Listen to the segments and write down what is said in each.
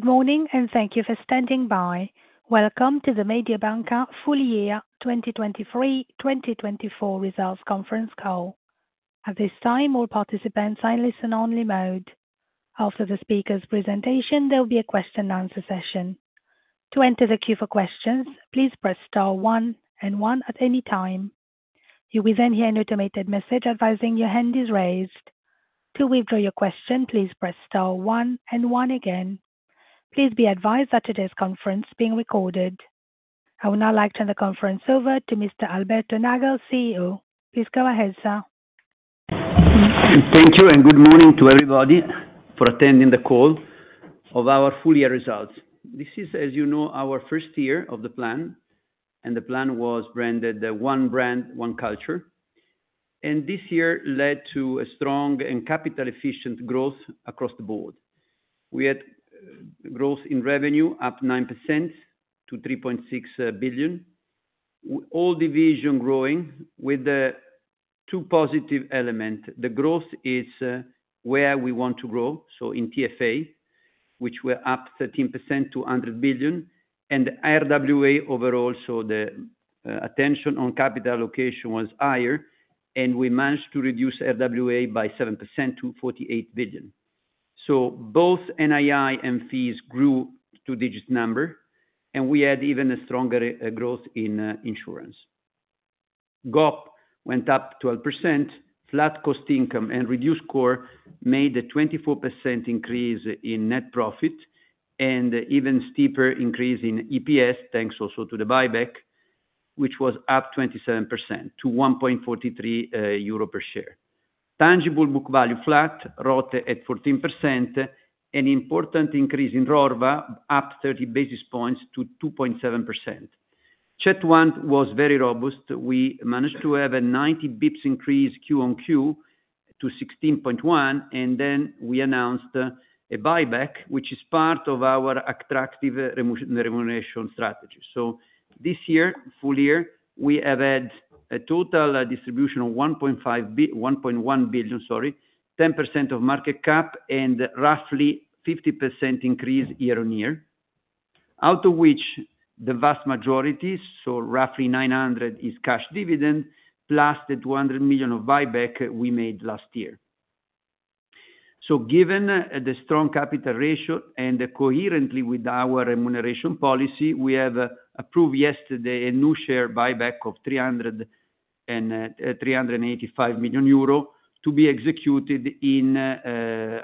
Good morning, and thank you for standing by. Welcome to the Mediobanca Full Year 2023-2024 Results Conference Call. At this time, all participants are in listen-only mode. After the speaker's presentation, there will be a question-and-answer session. To enter the queue for questions, please press star one and one at any time. You will then hear an automated message advising your hand is raised. To withdraw your question, please press star one and one again. Please be advised that today's conference is being recorded. I will now turn the conference over to Mr. Alberto Nagel, CEO. Please go ahead, sir. Thank you, and good morning to everybody for attending the call of our full year results. This is, as you know, our first year of the plan, and the plan was branded "One Brand, One Culture." This year led to a strong and capital-efficient growth across the board. We had growth in revenue up 9% to 3.6 billion, all division growing with two positive elements. The growth is where we want to grow, so in TFA, which were up 13% to 100 billion, and RWA overall. The attention on capital allocation was higher, and we managed to reduce RWA by 7% to 48 billion. Both NII and fees grew two-digit number, and we had even a stronger growth in insurance. GOP went up 12%. Flat cost income and reduced CoR made a 24% increase in net profit and even steeper increase in EPS, thanks also to the buyback, which was up 27% to 1.43 euro per share. Tangible book value flat, ROTE at 14%, and important increase in RORWA up 30 basis points to 2.7%. CET1 was very robust. We managed to have a 90 basis points increase Q on Q to 16.1, and then we announced a buyback, which is part of our attractive remuneration strategy. So this year, full year, we have had a total distribution of 1.1 billion, sorry, 10% of market cap and roughly 50% increase year-over-year, out of which the vast majority, so roughly 900 million, is cash dividend plus the 200 million of buyback we made last year. So given the strong capital ratio and coherently with our remuneration policy, we have approved yesterday a new share buyback of 385 million euro to be executed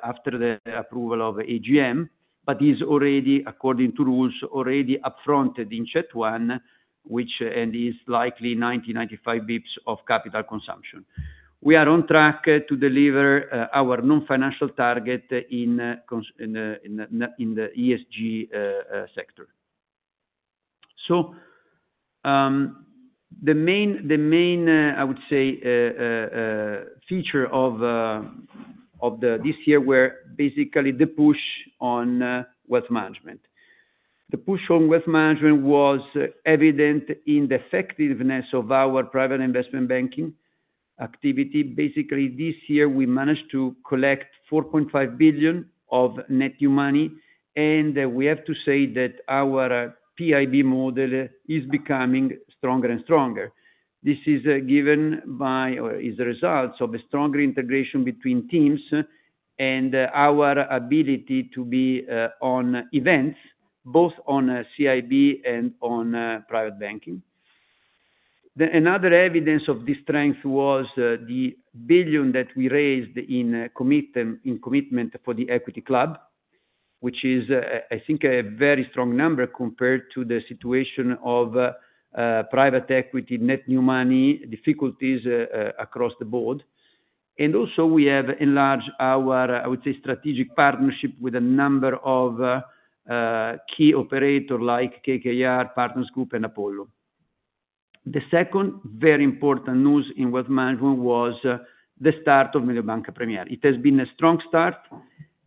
after the approval of AGM, but is already, according to rules, already upfronted in CET1, which is likely 90-95 bps of capital consumption. We are on track to deliver our non-financial target in the ESG sector. So the main, I would say, feature of this year were basically the push on wealth management. The push on wealth management was evident in the effectiveness of our private investment banking activity. Basically, this year we managed to collect 4.5 billion of net new money, and we have to say that our is becoming stronger and stronger. This is given by, or is the result of a stronger integration between teams and our ability to be on events, both on CIB and on private banking. Then another evidence of this strength was the 1 billion that we raised in commitment for The Equity Club, which is, I think, a very strong number compared to the situation of private equity, net new money, difficulties across the board. And also we have enlarged our, I would say, strategic partnership with a number of key operators like KKR, Partners Group, and Apollo. The second very important news in wealth management was the start of Mediobanca Premier. It has been a strong start,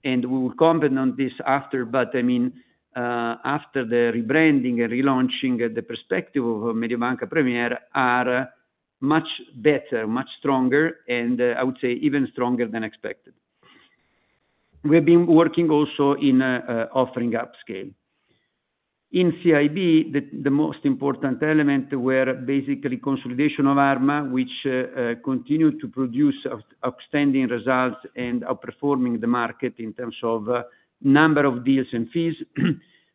and we will comment on this after, but I mean, after the rebranding and relaunching, the perspective of Mediobanca Premier are much better, much stronger, and I would say even stronger than expected. We have been working also in offering upscale. In CIB, the most important element were basically consolidation of Arma, which continued to produce outstanding results and outperforming the market in terms of number of deals and fees.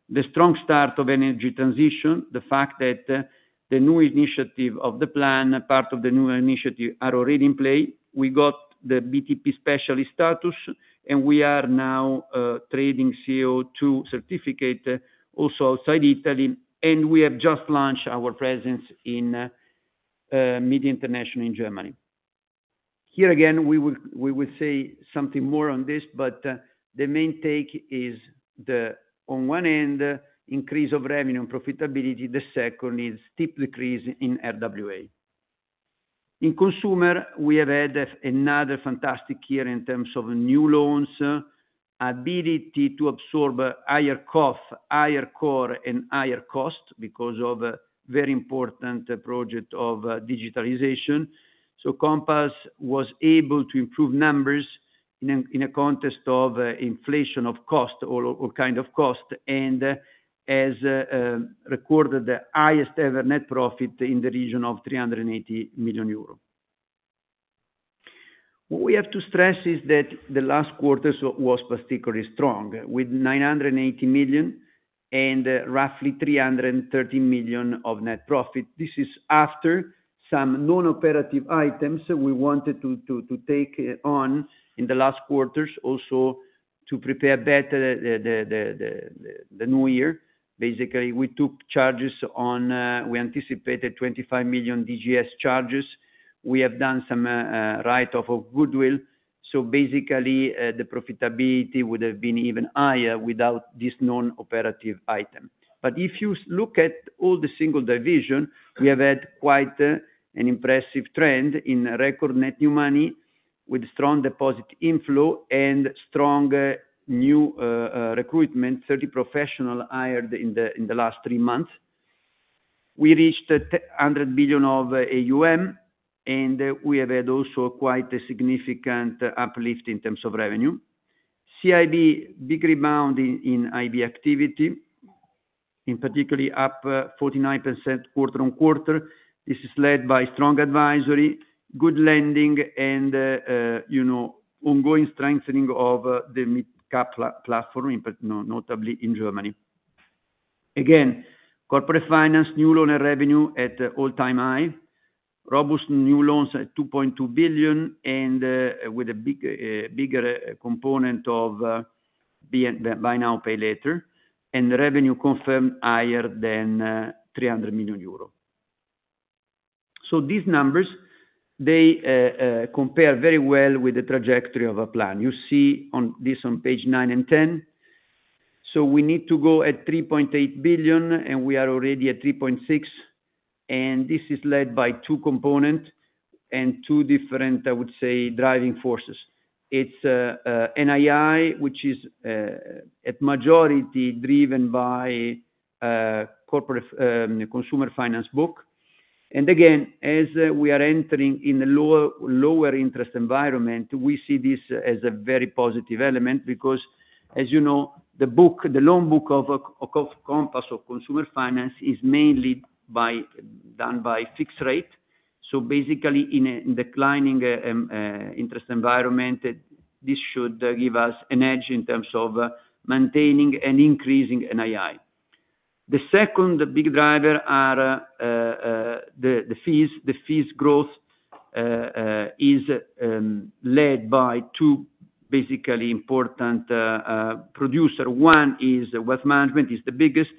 The strong start of energy transition, the fact that the new initiative of the plan, part of the new initiative, are already in play. We got the BTP specialist status, and we are now trading CO2 certificate also outside Italy, and we have just launched our presence in Mediobanca in Germany. Here again, we will say something more on this, but the main take is the, on one end, increase of revenue and profitability. The second is steep decrease in RWA. In Consumer, we have had another fantastic year in terms of new loans, ability to absorb higher cost, higher CoR, and higher cost because of a very important project of digitalization. Compass was able to improve numbers in a context of inflation of cost, all kind of cost, and has recorded the highest ever net profit in the region of 380 million euros. What we have to stress is that the last quarter was particularly strong with 980 million and roughly 313 million of net profit. This is after some non-operative items we wanted to take on in the last quarters, also to prepare better the new year. Basically, we took charges on, we anticipated 25 million DGS charges. We have done some write-off of goodwill. So basically, the profitability would have been even higher without this non-operative item. But if you look at all the single division, we have had quite an impressive trend in record net new money with strong deposit inflow and strong new recruitment, 30 professionals hired in the last three months. We reached 100 billion of AUM, and we have had also quite a significant uplift in terms of revenue. CIB, big rebound in IB activity, in particular up 49% quarter-on-quarter. This is led by strong advisory, good lending, and ongoing strengthening of the mid-cap platform, notably in Germany. Again, corporate finance, new loan revenue at all-time high, robust new loans at 2.2 billion, and with a bigger component of buy now, pay later, and revenue confirmed higher than 300 million euro. So these numbers, they compare very well with the trajectory of a plan. You see this on page 9 and 10. So we need to go at 3.8 billion, and we are already at 3.6. And this is led by two components and two different, I would say, driving forces. It's NII, which is at majority driven by corporate consumer finance book. And again, as we are entering in a lower interest environment, we see this as a very positive element because, as you know, the book, the loan book of Compass of consumer finance is mainly done by fixed rate. So basically, in a declining interest environment, this should give us an edge in terms of maintaining and increasing NII. The second big driver are the fees. The fees growth is led by two basically important producers. One is wealth management, is the biggest,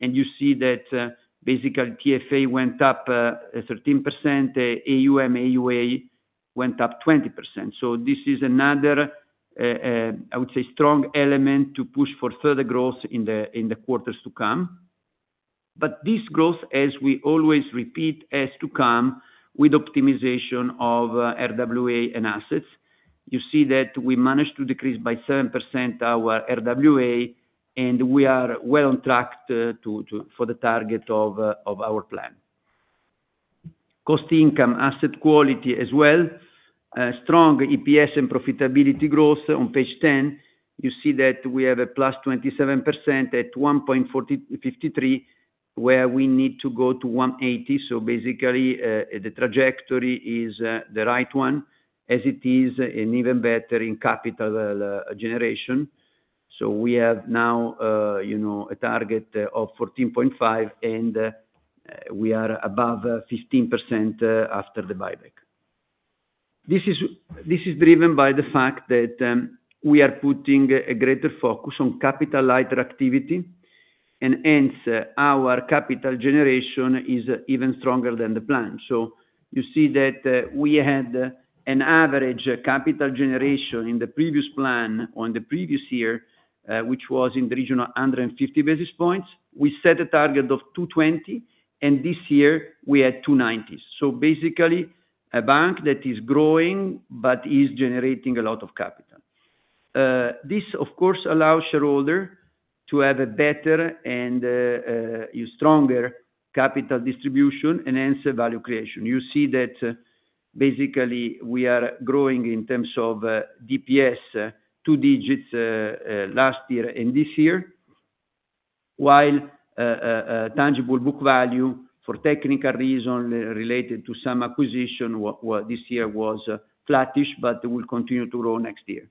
and you see that basically TFA went up 13%, AUM, AUA went up 20%. So this is another, I would say, strong element to push for further growth in the quarters to come. But this growth, as we always repeat, has to come with optimization of RWA and assets. You see that we managed to decrease by 7% our RWA, and we are well on track for the target of our plan. Cost/income, asset quality as well, strong EPS and profitability growth. On page 10, you see that we have a +27% at 1.53, where we need to go to 180. So basically, the trajectory is the right one, as it is, and even better in capital generation. So we have now a target of 14.5, and we are above 15% after the buyback. This is driven by the fact that we are putting a greater focus on capital lighter activity, and hence our capital generation is even stronger than the plan. So you see that we had an average capital generation in the previous plan on the previous year, which was in the region of 150 basis points. We set a target of 220, and this year we had 290. So basically, a bank that is growing but is generating a lot of capital. This, of course, allows shareholders to have a better and stronger capital distribution and hence value creation. You see that basically we are growing in terms of DPS, double digits last year and this year, while tangible book value for technical reasons related to some acquisition this year was flattish, but will continue to grow next year.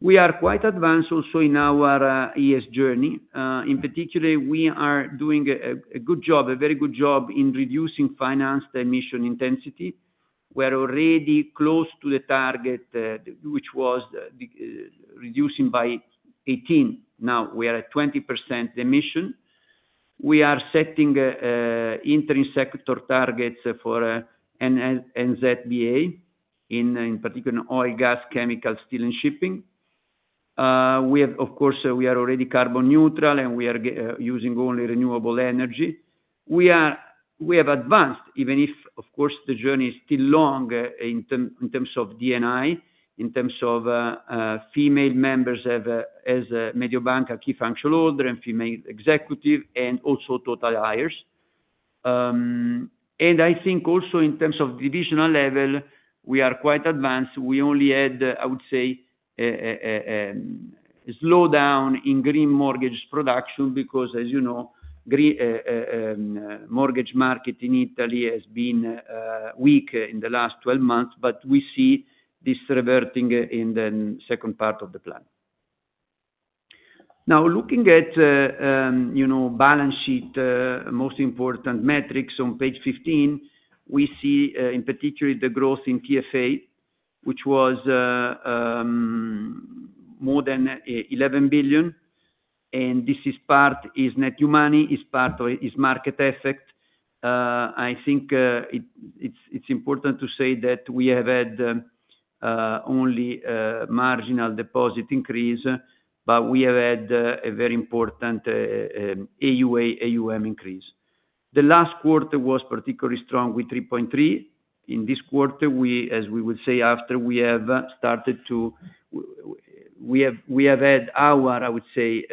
We are quite advanced also in our ESG journey. In particular, we are doing a good job, a very good job in reducing financed emission intensity. We are already close to the target, which was reducing by 18%. Now we are at 20% emission. We are setting interim sector targets for NZBA, in particular oil, gas, chemicals, steel, and shipping. We have, of course, we are already carbon neutral, and we are using only renewable energy. We have advanced, even if, of course, the journey is still long in terms of D&I in terms of female members as a Mediobanca key function holder and female executive, and also total hires. And I think also in terms of divisional level, we are quite advanced. We only had, I would say, a slowdown in green mortgage production because, as you know, mortgage market in Italy has been weak in the last 12 months, but we see this reverting in the second part of the plan. Now, looking at balance sheet, most important metrics on page 15, we see in particular the growth in TFA, which was more than 11 billion. And this is part is net new money, is part is market effect. I think it's important to say that we have had only marginal deposit increase, but we have had a very important AUA AUM increase. The last quarter was particularly strong with 3.3. In this quarter, as we will say after, we have started to have our, I would say,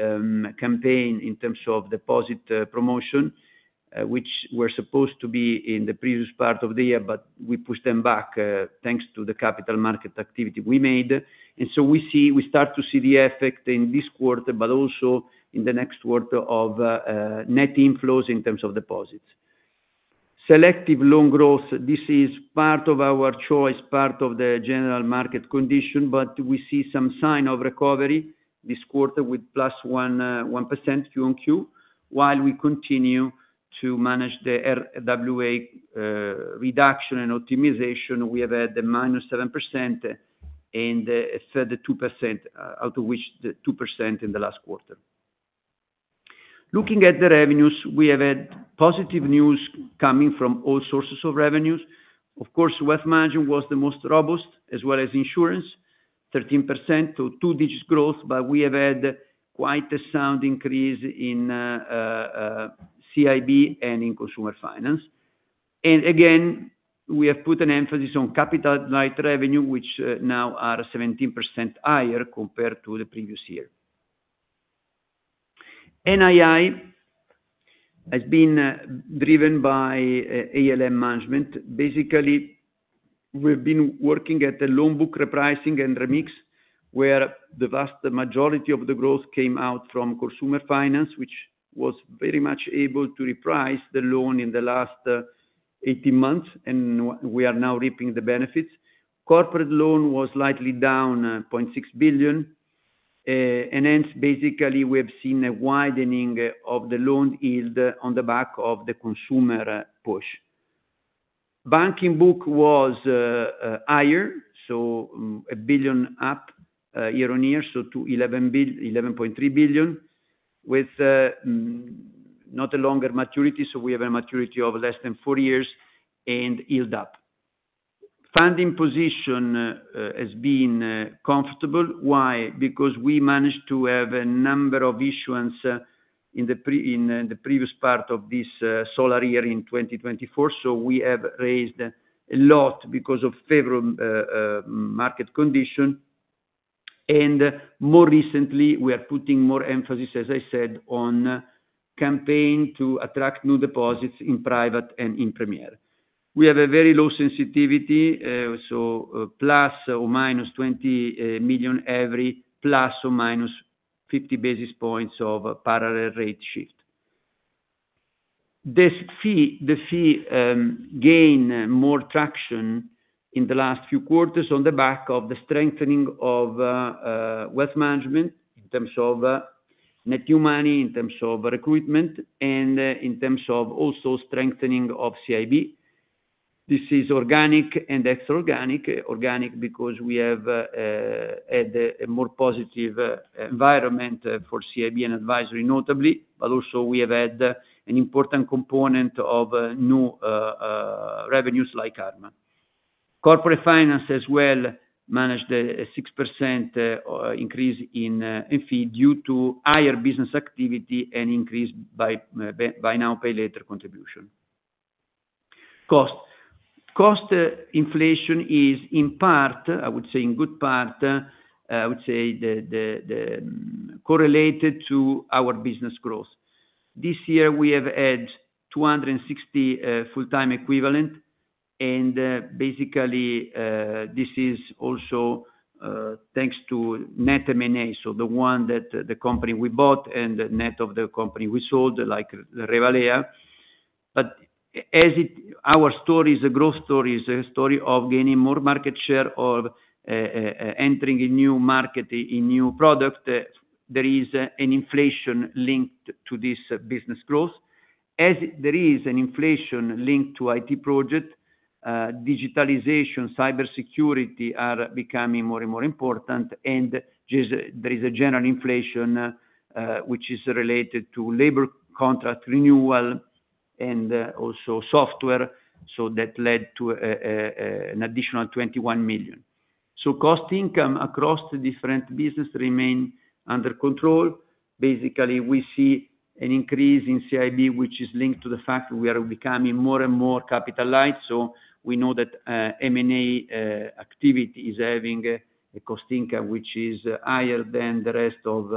campaign in terms of deposit promotion, which were supposed to be in the previous part of the year, but we pushed them back thanks to the capital market activity we made. So we start to see the effect in this quarter, but also in the next quarter of net inflows in terms of deposits. Selective loan growth, this is part of our choice, part of the general market condition, but we see some sign of recovery this quarter with +1% Q-on-Q, while we continue to manage the RWA reduction and optimization. We have had the -7% and further 2%, out of which the 2% in the last quarter. Looking at the revenues, we have had positive news coming from all sources of revenues. Of course, wealth management was the most robust, as well as insurance, 13% two-digit growth, but we have had quite a sound increase in CIB and in consumer finance. And again, we have put an emphasis on capital-light revenue, which now are 17% higher compared to the previous year. NII has been driven by ALM management. Basically, we've been working at a loan book repricing and remix where the vast majority of the growth came out from consumer finance, which was very much able to reprice the loan in the last 18 months, and we are now reaping the benefits. Corporate loan was slightly down 0.6 billion. Hence, basically, we have seen a widening of the loan yield on the back of the consumer push. Banking book was higher, so 1 billion up year-on-year, so to 11.3 billion with not a longer maturity. We have a maturity of less than four years and yield up. Funding position has been comfortable. Why? Because we managed to have a number of issuance in the previous part of this solar year in 2024. We have raised a lot because of favorable market condition. More recently, we are putting more emphasis, as I said, on campaign to attract new deposits in private and in premier. We have a very low sensitivity, ±20 million every, ±50 basis points of parallel rate shift. This fee gained more traction in the last few quarters on the back of the strengthening of wealth management in terms of net new money, in terms of recruitment, and in terms of also strengthening of CIB. This is organic and inorganic, organic because we have had a more positive environment for CIB and advisory, notably, but also we have had an important component of new revenues like Arma. Corporate finance as well managed a 6% increase in fee due to higher business activity and increased by buy now, pay later contribution. Cost. Cost inflation is in part, I would say in good part, I would say correlated to our business growth. This year, we have had 260 full-time equivalent, and basically, this is also thanks to net M&A, so the one that the company we bought and the net of the company we sold, like Revalea. But as our story is a growth story, it's a story of gaining more market share or entering a new market, a new product, there is an inflation linked to this business growth. As there is an inflation linked to IT project, digitalization, cybersecurity are becoming more and more important, and there is a general inflation which is related to labor contract renewal and also software. So that led to an additional 21 million. So cost income across the different business remains under control. Basically, we see an increase in CIB, which is linked to the fact that we are becoming more and more capital light. So we know that M&A activity is having a cost income which is higher than the rest of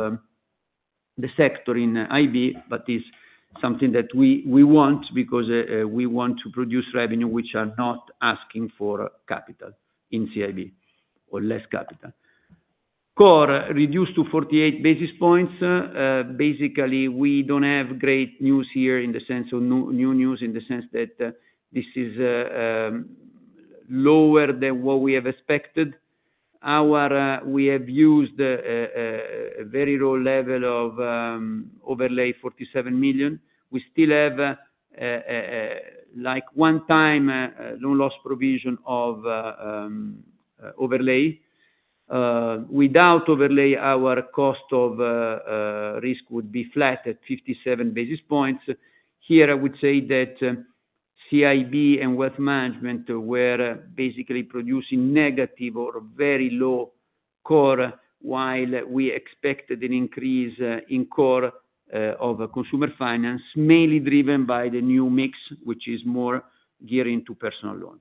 the sector in IB, but it's something that we want because we want to produce revenue which are not asking for capital in CIB or less capital. CoR reduced to 48 basis points. Basically, we don't have great news here in the sense of new news in the sense that this is lower than what we have expected. We have used a very low level of overlay 47 million. We still have like one-time loan loss provision of overlay. Without overlay, our cost of risk would be flat at 57 basis points. Here, I would say that CIB and wealth management were basically producing negative or very low core, while we expected an increase in core of consumer finance, mainly driven by the new mix, which is more gearing to personal loan.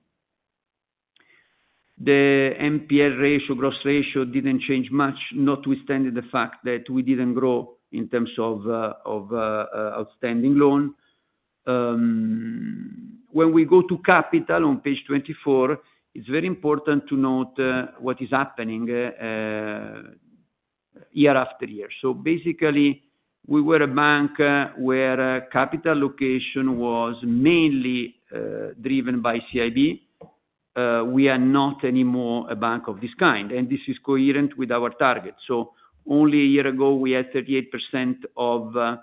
The NPL ratio, gross ratio didn't change much, notwithstanding the fact that we didn't grow in terms of outstanding loan. When we go to capital on page 24, it's very important to note what is happening year after year. So basically, we were a bank where capital allocation was mainly driven by CIB. We are not anymore a bank of this kind, and this is consistent with our target. So only a year ago, we had 38% of capital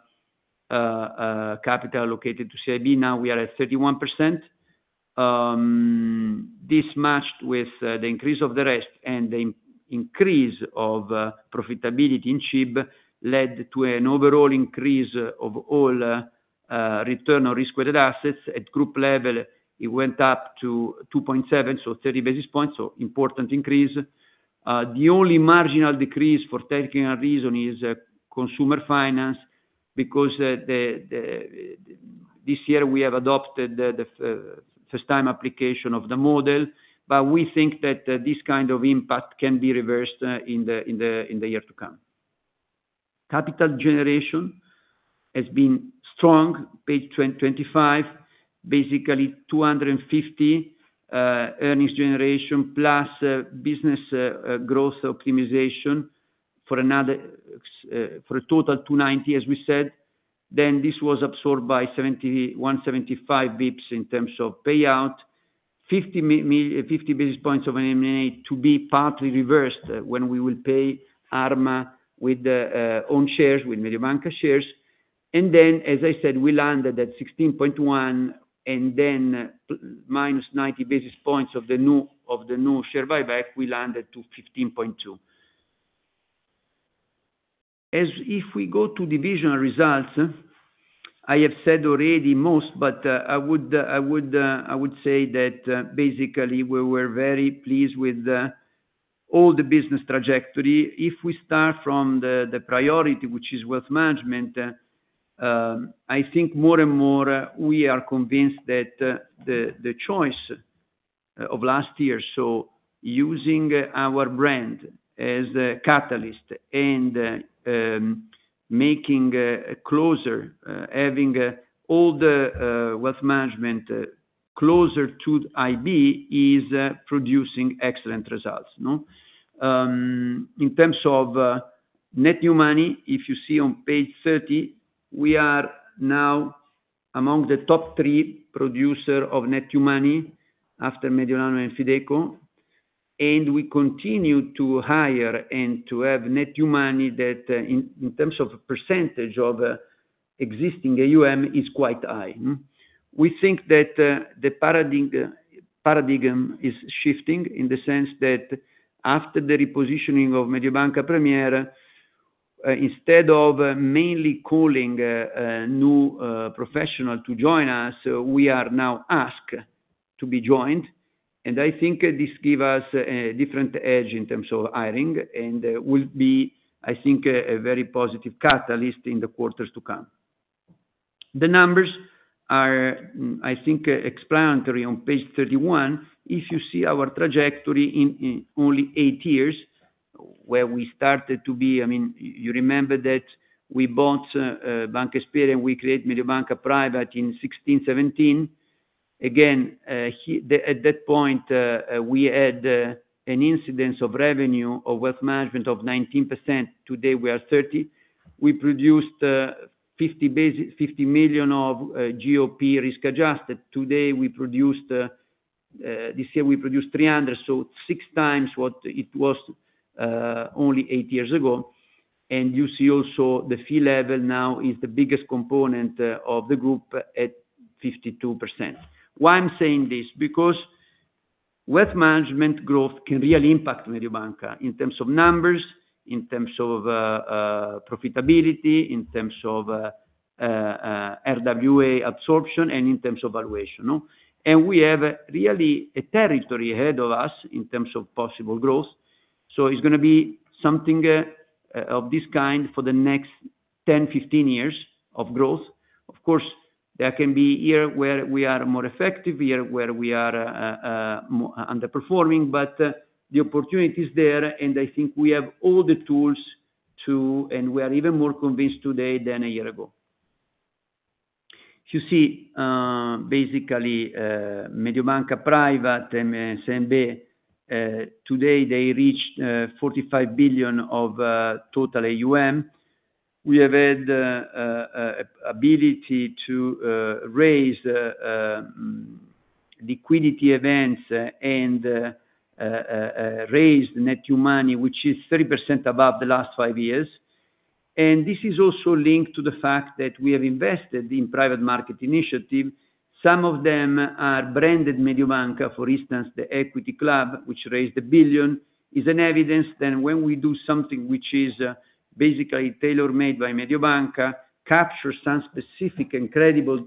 allocated to CIB. Now we are at 31%. This matched with the increase of the rest and the increase of profitability in CIB led to an overall increase of our return on risk-weighted assets. At group level, it went up to 2.7, so 30 basis points, so important increase. The only marginal decrease for technical reason is consumer finance because this year we have adopted the first-time application of the model, but we think that this kind of impact can be reversed in the year to come. Capital generation has been strong, page 25, basically 250 earnings generation plus business growth optimization for a total 290, as we said. Then this was absorbed by 175 basis points in terms of payout, 50 basis points of an M&A to be partly reversed when we will pay Arma with own shares, with Mediobanca shares. And then, as I said, we landed at 16.1, and then minus 90 basis points of the new share buyback, we landed to 15.2. As if we go to divisional results, I have said already most, but I would say that basically we were very pleased with all the business trajectory. If we start from the priority, which is wealth management, I think more and more we are convinced that the choice of last year, so using our brand as a catalyst and making closer, having all the wealth management closer to IB is producing excellent results. In terms of net new money, if you see on page 30, we are now among the top three producers of net new money after Mediobanca and FinecoBank, and we continue to hire and to have net new money that in terms of percentage of existing AUM is quite high. We think that the paradigm is shifting in the sense that after the repositioning of Mediobanca Premier, instead of mainly calling new professionals to join us, we are now asked to be joined. I think this gives us a different edge in terms of hiring and will be, I think, a very positive catalyst in the quarters to come. The numbers are, I think, explanatory on page 31. If you see our trajectory in only eight years where we started to be, I mean, you remember that we bought Banca Esperia and we created Mediobanca Private Banking in 2016, 2017. Again, at that point, we had an incidence of revenue of wealth management of 19%. Today, we are 30%. We produced 50 million of GOP risk adjusted. Today, we produced this year, we produced 300 million, so six times what it was only eight years ago. And you see also the fee level now is the biggest component of the group at 52%. Why I'm saying this? Because wealth management growth can really impact Mediobanca in terms of numbers, in terms of profitability, in terms of RWA absorption, and in terms of valuation. We have really a territory ahead of us in terms of possible growth. So it's going to be something of this kind for the next 10, 15 years of growth. Of course, there can be a year where we are more effective, a year where we are underperforming, but the opportunity is there, and I think we have all the tools to, and we are even more convinced today than a year ago. You see, basically, Mediobanca Private and CMB, today they reached 45 billion of total AUM. We have had the ability to raise liquidity events and raise net new money, which is 30% above the last five years. This is also linked to the fact that we have invested in private market initiatives. Some of them are branded Mediobanca, for instance, The Equity Club, which raised 1 billion, is an evidence that when we do something which is basically tailor-made by Mediobanca, captures some specific and credible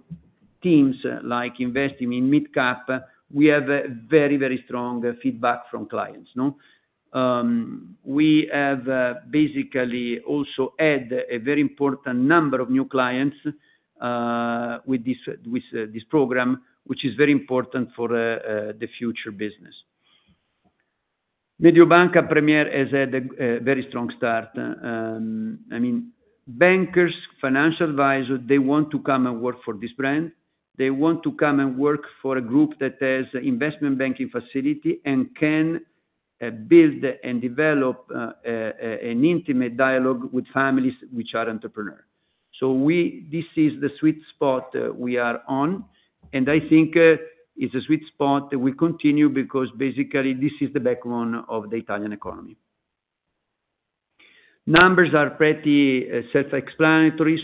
teams like investing in mid-cap, we have very, very strong feedback from clients. We have basically also had a very important number of new clients with this program, which is very important for the future business. Mediobanca Premier has had a very strong start. I mean, bankers, financial advisors, they want to come and work for this brand. They want to come and work for a group that has investment banking facility and can build and develop an intimate dialogue with families which are entrepreneurs. So this is the sweet spot we are on. I think it's a sweet spot that we continue because basically this is the backbone of the Italian economy. Numbers are pretty self-explanatory.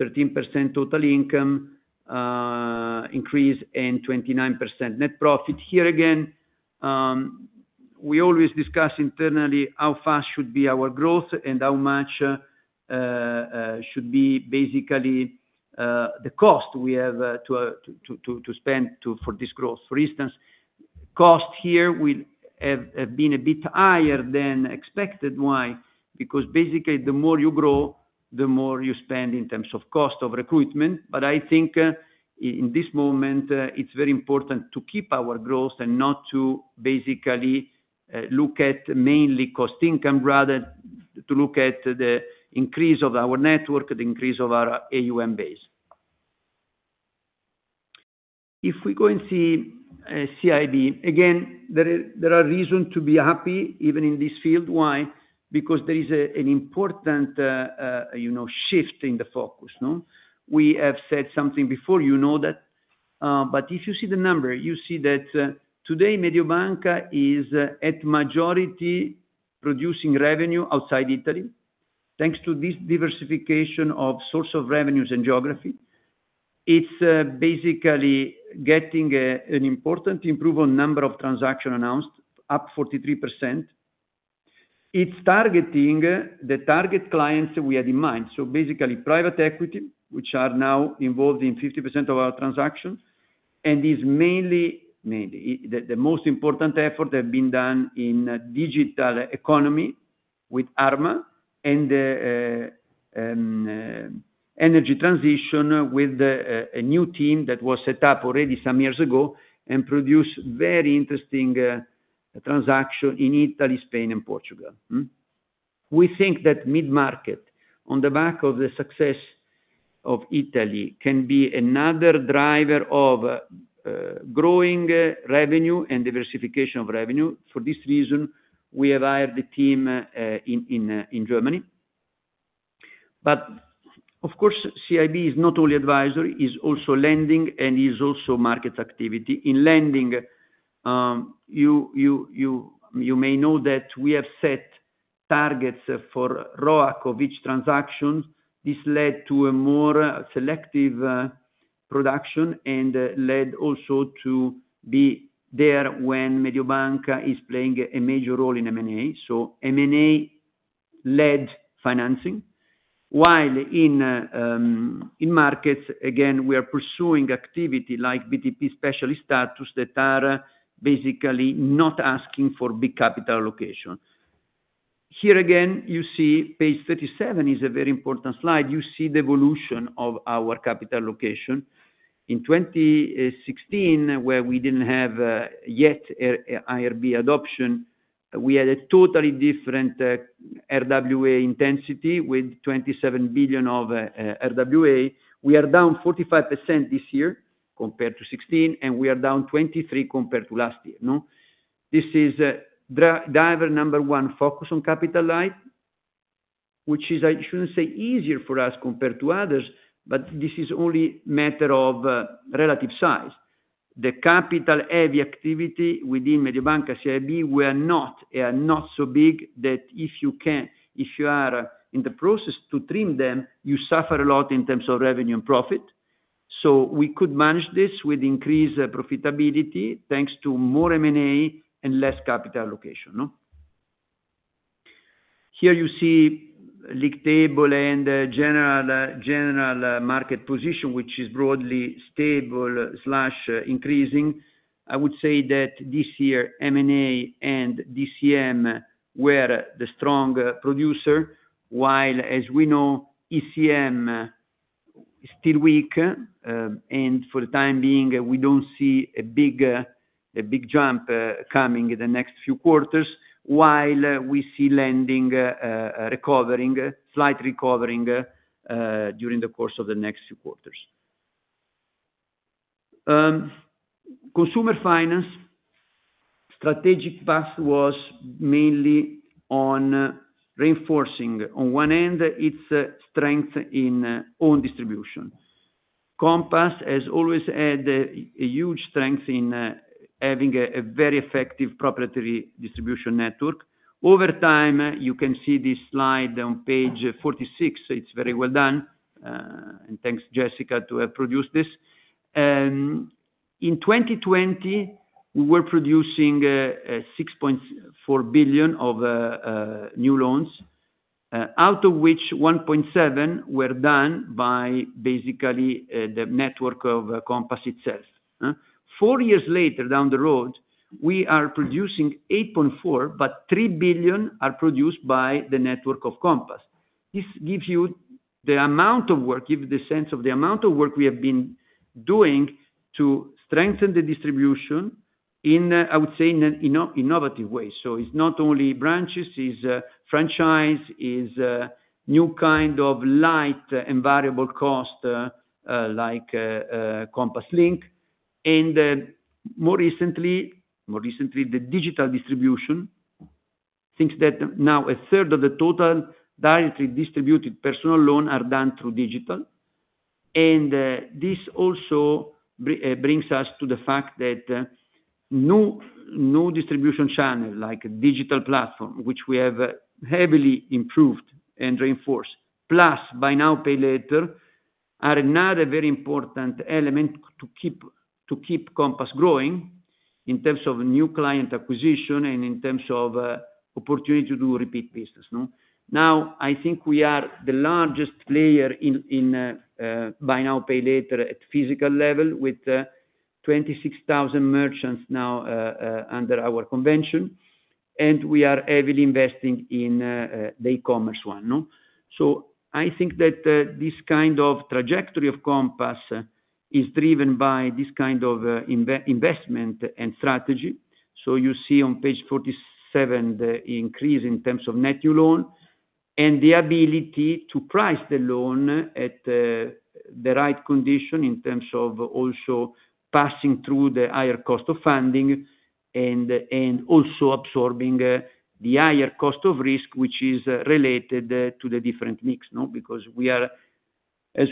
13% total income increase and 29% net profit. Here again, we always discuss internally how fast should be our growth and how much should be basically the cost we have to spend for this growth. For instance, cost here will have been a bit higher than expected. Why? Because basically the more you grow, the more you spend in terms of cost of recruitment. But I think in this moment, it's very important to keep our growth and not to basically look at mainly cost income rather than to look at the increase of our network, the increase of our AUM base. If we go and see CIB, again, there are reasons to be happy even in this field. Why? Because there is an important shift in the focus. We have said something before, you know that. But if you see the number, you see that today Mediobanca is at majority producing revenue outside Italy. Thanks to this diversification of source of revenues and geography, it's basically getting an important improved number of transactions announced, up 43%. It's targeting the target clients that we had in mind. So basically private equity, which are now involved in 50% of our transactions, and is mainly the most important effort that has been done in digital economy with Arma and the energy transition with a new team that was set up already some years ago and produced very interesting transactions in Italy, Spain, and Portugal. We think that mid-market, on the back of the success of Italy, can be another driver of growing revenue and diversification of revenue. For this reason, we have hired the team in Germany. But of course, CIB is not only advisory, it's also lending and it's also market activity. In lending, you may know that we have set targets for ROAC transactions. This led to a more selective production and led also to be there when Mediobanca is playing a major role in M&A. So M&A led financing. While in markets, again, we are pursuing activity like BTP specialist statuses that are basically not asking for big capital allocation. Here again, you see page 37 is a very important slide. You see the evolution of our capital allocation. In 2016, where we didn't have yet IRB adoption, we had a totally different RWA intensity with 27 billion of RWA. We are down 45% this year compared to 2016, and we are down 23% compared to last year. This is driver number one, focus on capital light, which is, I shouldn't say easier for us compared to others, but this is only a matter of relative size. The capital-heavy activity within Mediobanca CIB, we are not so big that if you are in the process to trim them, you suffer a lot in terms of revenue and profit. So we could manage this with increased profitability thanks to more M&A and less capital allocation. Here you see league table and general market position, which is broadly stable/increasing. I would say that this year, M&A and DCM were the strong producer, while as we know, ECM is still weak. And for the time being, we don't see a big jump coming in the next few quarters, while we see lending recovering, slight recovering during the course of the next few quarters. Consumer finance strategic path was mainly on reinforcing. On one end, it's strength in own distribution. Compass, as always, had a huge strength in having a very effective proprietary distribution network. Over time, you can see this slide on page 46. It's very well done. And thanks, Jessica, to have produced this. In 2020, we were producing 6.4 billion of new loans, out of which 1.7 billion were done by basically the network of Compass itself. 4 years later, down the road, we are producing 8.4 billion, but 3 billion are produced by the network of Compass. This gives you the amount of work, gives you the sense of the amount of work we have been doing to strengthen the distribution in, I would say, innovative ways. So it's not only branches, it's franchise, it's new kind of light and variable cost like Compass Link. And more recently, the digital distribution thinks that now a third of the total directly distributed personal loan are done through digital. And this also brings us to the fact that new distribution channels like digital platform, which we have heavily improved and reinforced, plus buy now, pay later, are another very important element to keep Compass growing in terms of new client acquisition and in terms of opportunity to do repeat business. Now, I think we are the largest player in buy now, pay later at physical level with 26,000 merchants now under our convention, and we are heavily investing in the e-commerce one. So I think that this kind of trajectory of Compass is driven by this kind of investment and strategy. So you see on page 47 the increase in terms of net new loan and the ability to price the loan at the right condition in terms of also passing through the higher cost of funding and also absorbing the higher cost of risk, which is related to the different mix. Because as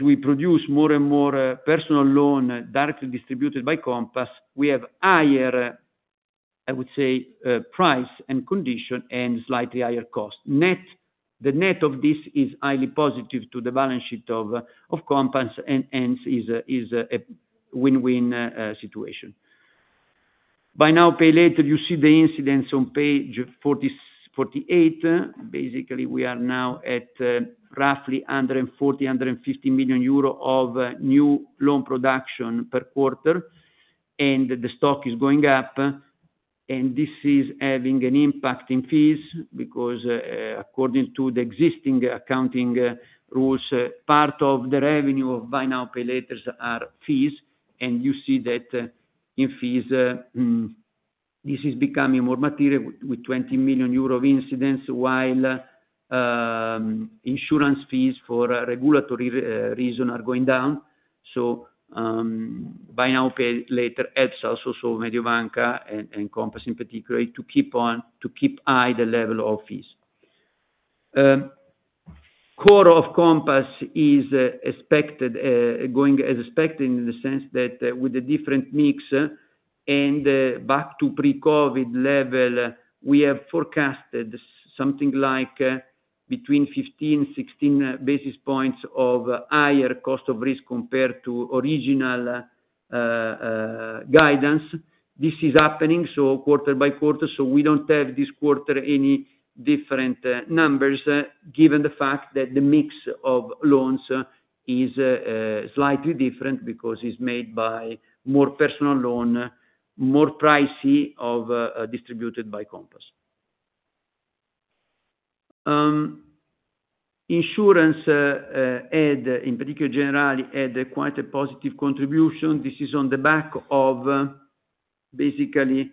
we produce more and more personal loan directly distributed by Compass, we have higher, I would say, price and condition and slightly higher cost. The net of this is highly positive to the balance sheet of Compass and is a win-win situation. Buy now, pay later, you see the incidence on page 48. Basically, we are now at roughly 140 million-150 million euro of new loan production per quarter, and the stock is going up. This is having an impact in fees because according to the existing accounting rules, part of the revenue of buy now, pay later are fees. You see that in fees, this is becoming more material with 20 million euro of incidence, while insurance fees for regulatory reasons are going down. So buy now, pay later helps also Mediobanca and Compass in particular to keep on to keep high the level of fees. Core of Compass is going as expected in the sense that with the different mix and back to pre-COVID level, we have forecasted something like between 15-16 basis points of higher cost of risk compared to original guidance. This is happening so quarter by quarter. So we don't have this quarter any different numbers given the fact that the mix of loans is slightly different because it's made by more personal loan, more pricey of distributed by Compass. Insurance had, in particular, Generali had quite a positive contribution. This is on the back of basically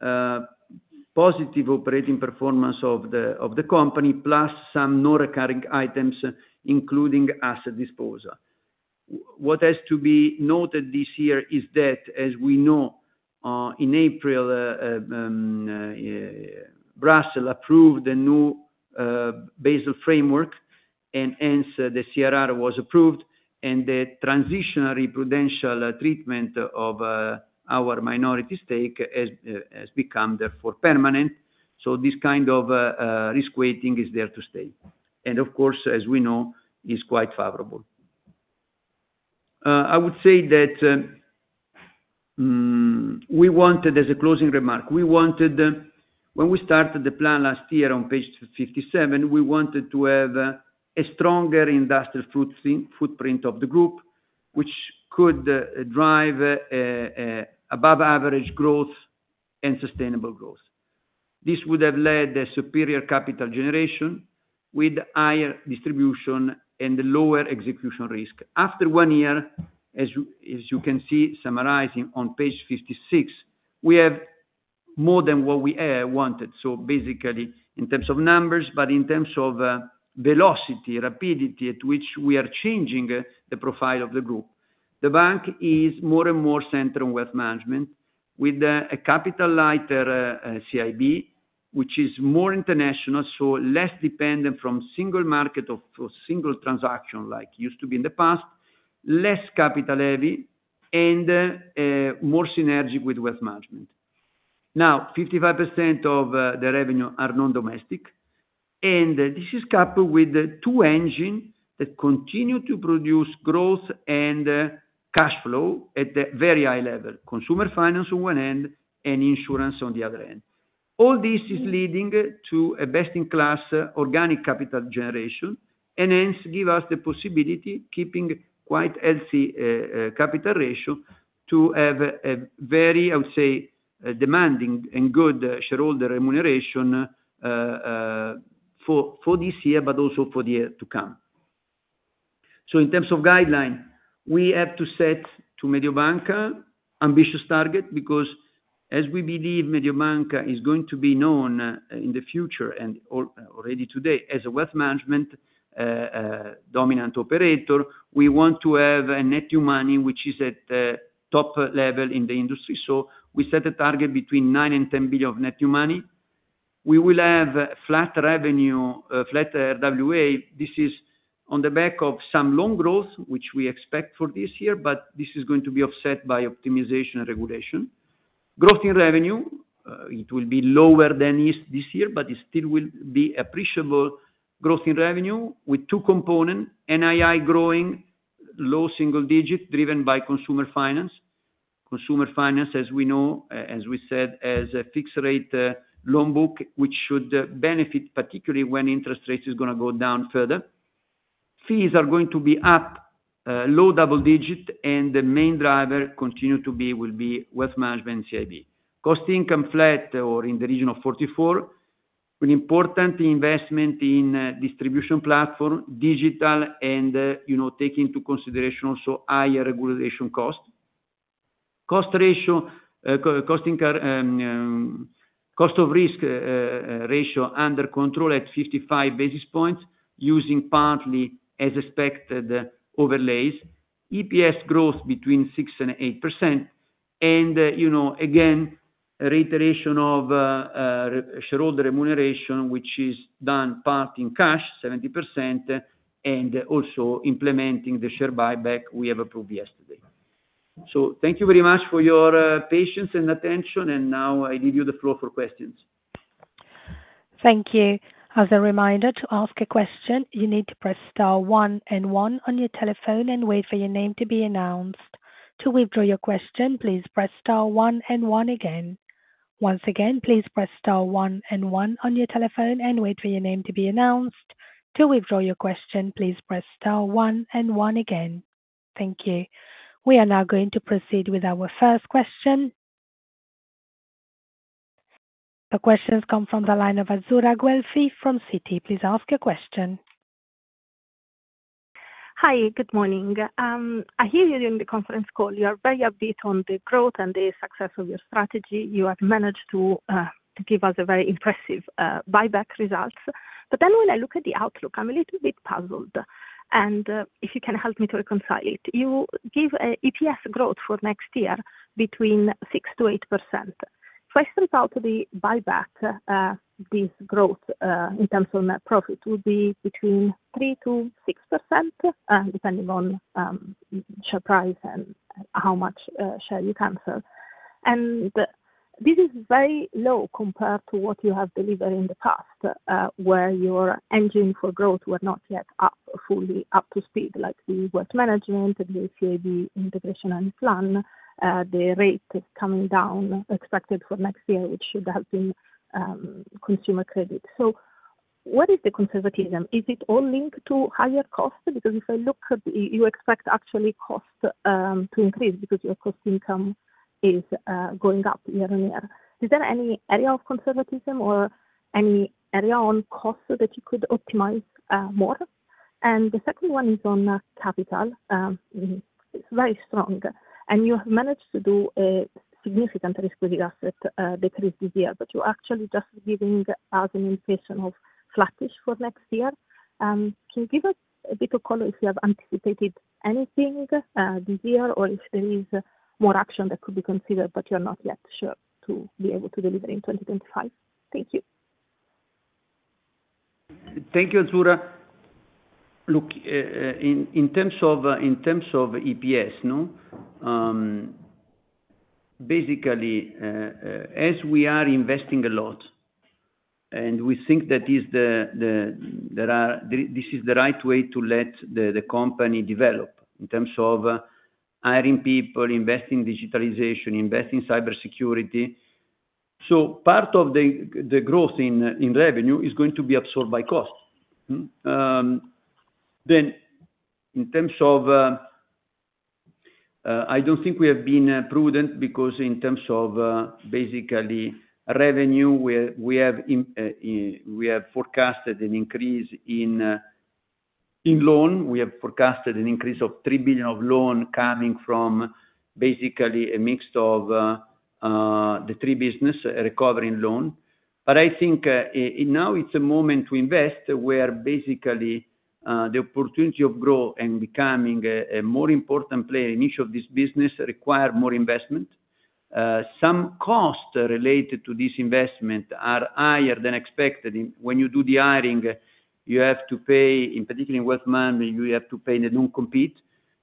positive operating performance of the company, plus some non-recurring items including asset disposal. What has to be noted this year is that, as we know, in April, Brussels approved the new Basel framework, and hence the CRR was approved, and the transitional prudential treatment of our minority stake has become therefore permanent. So this kind of risk weighting is there to stay. And of course, as we know, is quite favorable. I would say that we wanted, as a closing remark, we wanted, when we started the plan last year on page 57, we wanted to have a stronger industrial footprint of the group, which could drive above-average growth and sustainable growth. This would have led to superior capital generation with higher distribution and lower execution risk. After one year, as you can see summarizing on page 56, we have more than what we wanted. So basically, in terms of numbers, but in terms of velocity, rapidity at which we are changing the profile of the group, the bank is more and more centered on wealth management with a capital-lighter CIB, which is more international, so less dependent from single market or single transaction like used to be in the past, less capital-heavy, and more synergic with wealth management. Now, 55% of the revenue are non-domestic, and this is coupled with two engines that continue to produce growth and cash flow at a very high level: consumer finance on one end and insurance on the other end. All this is leading to a best-in-class organic capital generation and hence gives us the possibility, keeping quite healthy capital ratio, to have a very, I would say, demanding and good shareholder remuneration for this year, but also for the year to come. So in terms of guideline, we have to set to Mediobanca ambitious target because as we believe Mediobanca is going to be known in the future and already today as a wealth management dominant operator, we want to have net new money, which is at top level in the industry. So we set a target between 9 billion and 10 billion of net new money. We will have flat revenue, flat RWA. This is on the back of some loan growth, which we expect for this year, but this is going to be offset by optimization and regulation. Growth in revenue, it will be lower than this year, but it still will be appreciable growth in revenue with two components: NII growing, low single digit driven by consumer finance. Consumer finance, as we know, as we said, has a fixed rate loan book, which should benefit particularly when interest rates are going to go down further. Fees are going to be up, low double digit, and the main driver will continue to be wealth management and CIB. Cost income flat or in the region of 44%, with important investment in distribution platform, digital, and taking into consideration also higher regulation cost. Cost of Risk ratio under control at 55 basis points using partly as expected overlays. EPS growth between 6%-8%. And again, reiteration of shareholder remuneration, which is done part in cash, 70%, and also implementing the share buyback we have approved yesterday. So thank you very much for your patience and attention. And now I leave you the floor for questions. Thank you. As a reminder to ask a question, you need to press star one and one on your telephone and wait for your name to be announced. To withdraw your question, please press star one and one again. Once again, please press star one and one on your telephone and wait for your name to be announced. To withdraw your question, please press star one and one again. Thank you. We are now going to proceed with our first question. The questions come from the line of Azzurra Guelfi from Citi. Please ask your question. Hi, good morning. I hear you during the conference call. You are very upbeat on the growth and the success of your strategy. You have managed to give us very impressive buyback results. But then when I look at the outlook, I'm a little bit puzzled. And if you can help me to reconcile it, you give EPS growth for next year between 6%-8%. So as a result of the buyback, this growth in terms of net profit will be between 3%-6%, depending on share price and how much share you cancel. And this is very low compared to what you have delivered in the past, where your engine for growth was not yet fully up to speed like the wealth management and the CIB integration and plan. The rate is coming down, expected for next year, which should help in consumer credit. So what is the conservatism? Is it all linked to higher cost? Because if I look, you expect actually cost to increase because your cost income is going up year-on-year. Is there any area of conservatism or any area on cost that you could optimize more? And the second one is on capital. It's very strong. And you have managed to do a significant risk with your asset decrease this year, but you're actually just giving us an indication of flattish for next year. Can you give us a bit of color if you have anticipated anything this year or if there is more action that could be considered, but you're not yet sure to be able to deliver in 2025? Thank you. Thank you, Azzurra. Look, in terms of EPS, basically, as we are investing a lot and we think that this is the right way to let the company develop in terms of hiring people, investing in digitalization, investing in cybersecurity. So part of the growth in revenue is going to be absorbed by cost. Then in terms of, I don't think we have been prudent because in terms of basically revenue, we have forecasted an increase in loan. We have forecasted an increase of 3 billion of loan coming from basically a mix of the three business, a recovering loan. But I think now it's a moment to invest where basically the opportunity of growth and becoming a more important player in each of these businesses requires more investment. Some costs related to this investment are higher than expected. When you do the hiring, you have to pay, in particular in wealth management, you have to pay the non-compete.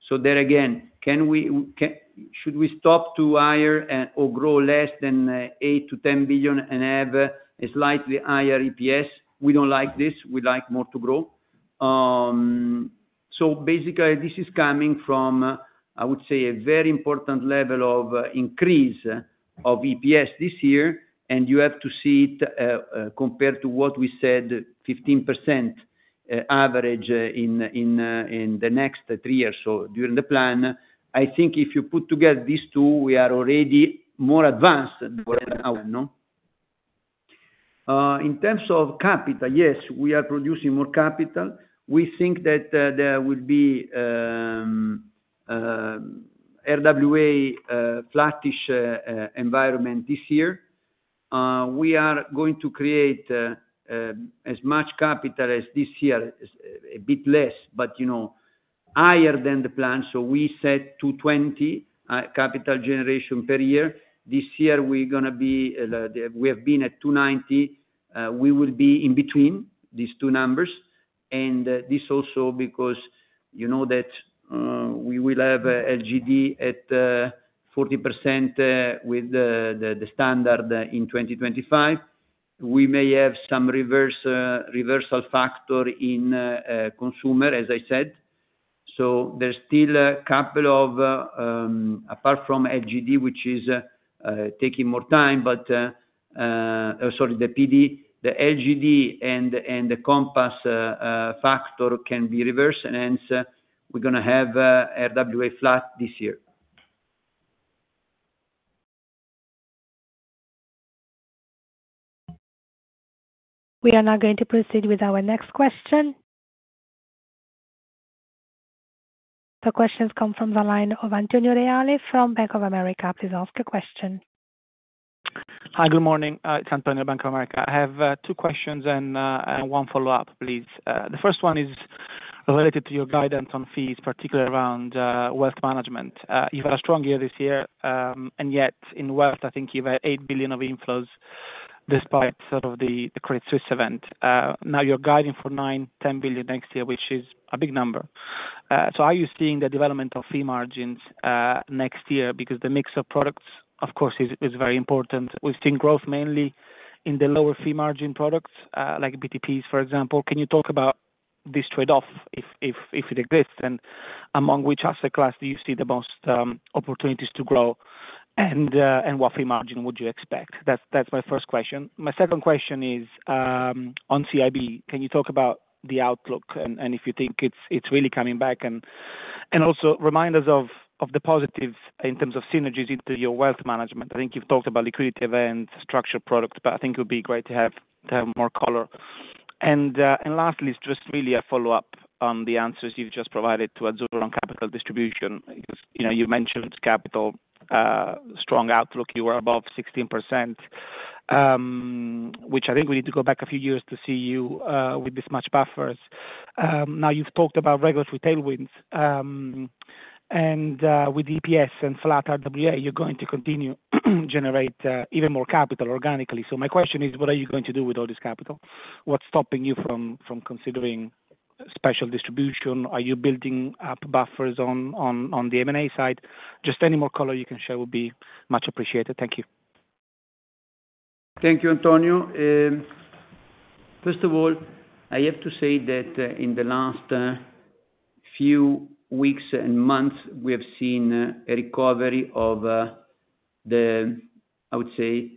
So there again, should we stop to hire or grow less than 8 billion-10 billion and have a slightly higher EPS? We don't like this. We like more to grow. So basically, this is coming from, I would say, a very important level of increase of EPS this year. And you have to see it compared to what we said, 15% average in the next three years. So during the plan, I think if you put together these two, we are already more advanced than we are now. In terms of capital, yes, we are producing more capital. We think that there will be RWA flattish environment this year. We are going to create as much capital as this year, a bit less, but higher than the plan. So we set 220 capital generation per year. This year, we're going to be we have been at 290. We will be in between these two numbers. And this also because you know that we will have LGD at 40% with the standard in 2025. We may have some reversal factor in consumer, as I said. So there's still a couple of, apart from LGD, which is taking more time, but sorry, the PD, the LGD and the Compass factor can be reversed. And hence, we're going to have RWA flat this year. We are now going to proceed with our next question. The questions come from the line of Antonio Reale from Bank of America. Please ask your question. Hi, good morning. It's Antonio Bank of America. I have two questions and one follow-up, please. The first one is related to your guidance on fees, particularly around wealth management. You've had a strong year this year, and yet in wealth, I think you've had 8 billion of inflows despite sort of the Credit Suisse event. Now you're guiding for 9-10 billion next year, which is a big number. So are you seeing the development of fee margins next year? Because the mix of products, of course, is very important. We've seen growth mainly in the lower fee margin products like BTPs, for example. Can you talk about this trade-off, if it exists? And among which asset class do you see the most opportunities to grow? And what fee margin would you expect? That's my first question. My second question is on CIB. Can you talk about the outlook and if you think it's really coming back? And also remind us of the positives in terms of synergies into your wealth management. I think you've talked about liquidity event, structured products, but I think it would be great to have more color. And lastly, it's just really a follow-up on the answers you've just provided to Azzurra on capital distribution. You mentioned capital, strong outlook. You were above 16%, which I think we need to go back a few years to see you with this much buffers. Now you've talked about regular retail wins. And with EPS and flat RWA, you're going to continue to generate even more capital organically. So my question is, what are you going to do with all this capital? What's stopping you from considering special distribution? Are you building up buffers on the M&A side? Just any more color you can share would be much appreciated. Thank you. Thank you, Antonio.First of all, I have to say that in the last few weeks and months, we have seen a recovery of the, I would say,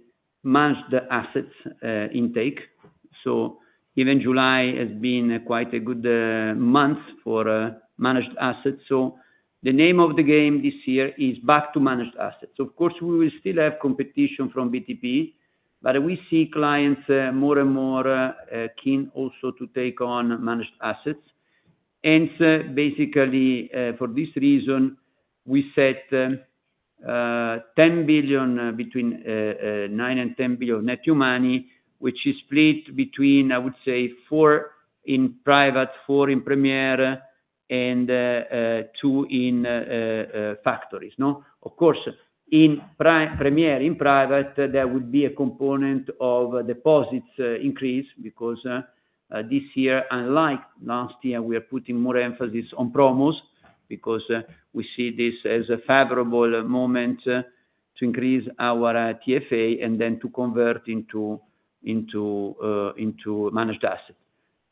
managed assets intake. So even July has been quite a good month for managed assets. So the name of the game this year is back to managed assets. Of course, we will still have competition from BTP, but we see clients more and more keen also to take on managed assets. And basically, for this reason, we set 10 billion between 9 billion and 10 billion net new money, which is split between, I would say, 4 billion in private, 4 billion in premier, and 2 billion in factories. Of course, in Premier, in Private, there would be a component of deposits increase because this year, unlike last year, we are putting more emphasis on promos because we see this as a favorable moment to increase our TFA and then to convert into managed assets.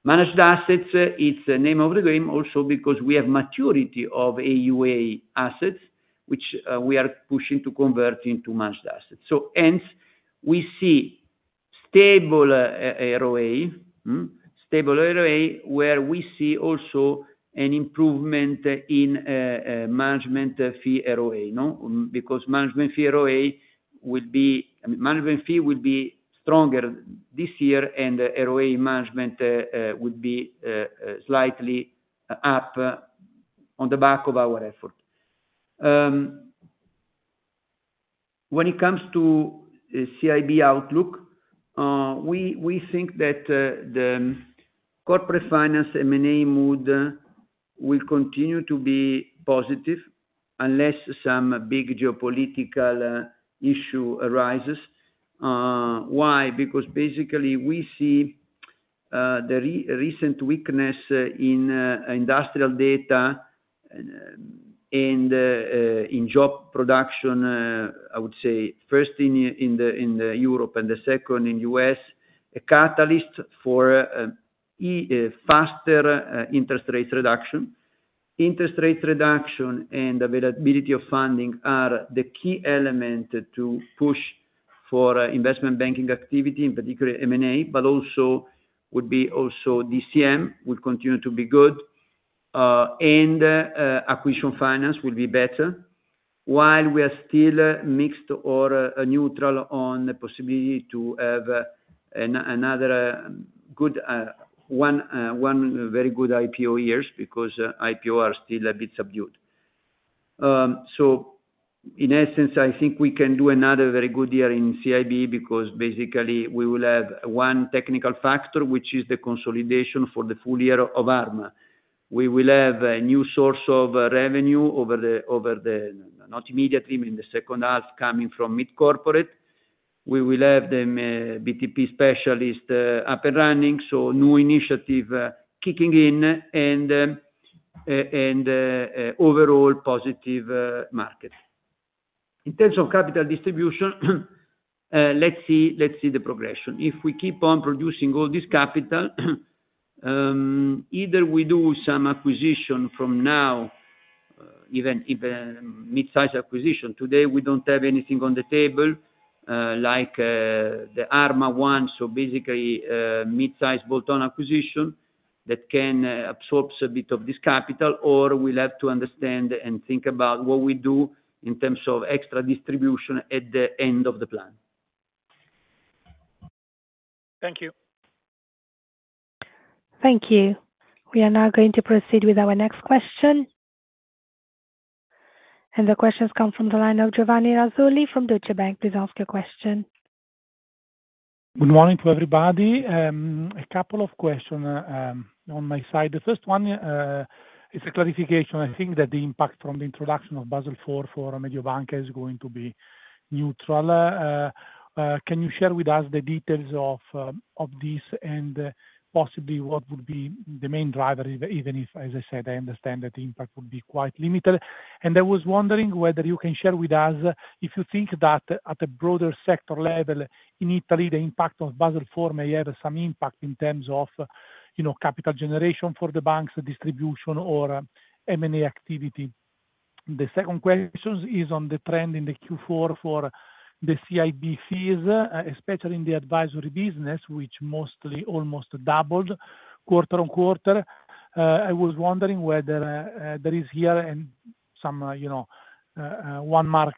Managed assets, it's the name of the game also because we have maturity of AUA assets, which we are pushing to convert into managed assets. So hence, we see stable ROA, stable ROA where we see also an improvement in management fee ROA because management fee ROA will be management fee will be stronger this year and ROA management would be slightly up on the back of our effort. When it comes to CIB outlook, we think that the corporate finance M&A mood will continue to be positive unless some big geopolitical issue arises. Why? Because basically we see the recent weakness in industrial data and in job production, I would say, first in Europe and the second in the US, a catalyst for faster interest rate reduction. Interest rate reduction and availability of funding are the key element to push for investment banking activity, in particular M&A, but also would be also DCM will continue to be good and acquisition finance will be better. While we are still mixed or neutral on the possibility to have another good, one very good IPO years because IPO are still a bit subdued. So in essence, I think we can do another very good year in CIB because basically we will have one technical factor, which is the consolidation for the full year of Arma. We will have a new source of revenue over the, not immediately, but in the second half coming from Mid-Corporate. We will have the BTP specialist up and running, so new initiative kicking in and overall positive market. In terms of capital distribution, let's see the progression. If we keep on producing all this capital, either we do some acquisition from now, even mid-size acquisition. Today, we don't have anything on the table like the Arma one, so basically mid-size bolt-on acquisition that can absorb a bit of this capital, or we'll have to understand and think about what we do in terms of extra distribution at the end of the plan. Thank you. Thank you. We are now going to proceed with our next question. The questions come from the line of Giovanni Razzoli from Deutsche Bank. Please ask your question. Good morning to everybody. A couple of questions on my side. The first one is a clarification. I think that the impact from the introduction of Basel IV for Mediobanca is going to be neutral. Can you share with us the details of this and possibly what would be the main driver, even if, as I said, I understand that the impact would be quite limited? I was wondering whether you can share with us if you think that at a broader sector level in Italy, the impact of Basel IV may have some impact in terms of capital generation for the bank's distribution or M&A activity. The second question is on the trend in the Q4 for the CIB fees, especially in the advisory business, which mostly almost doubled quarter on quarter. I was wondering whether there is here some landmark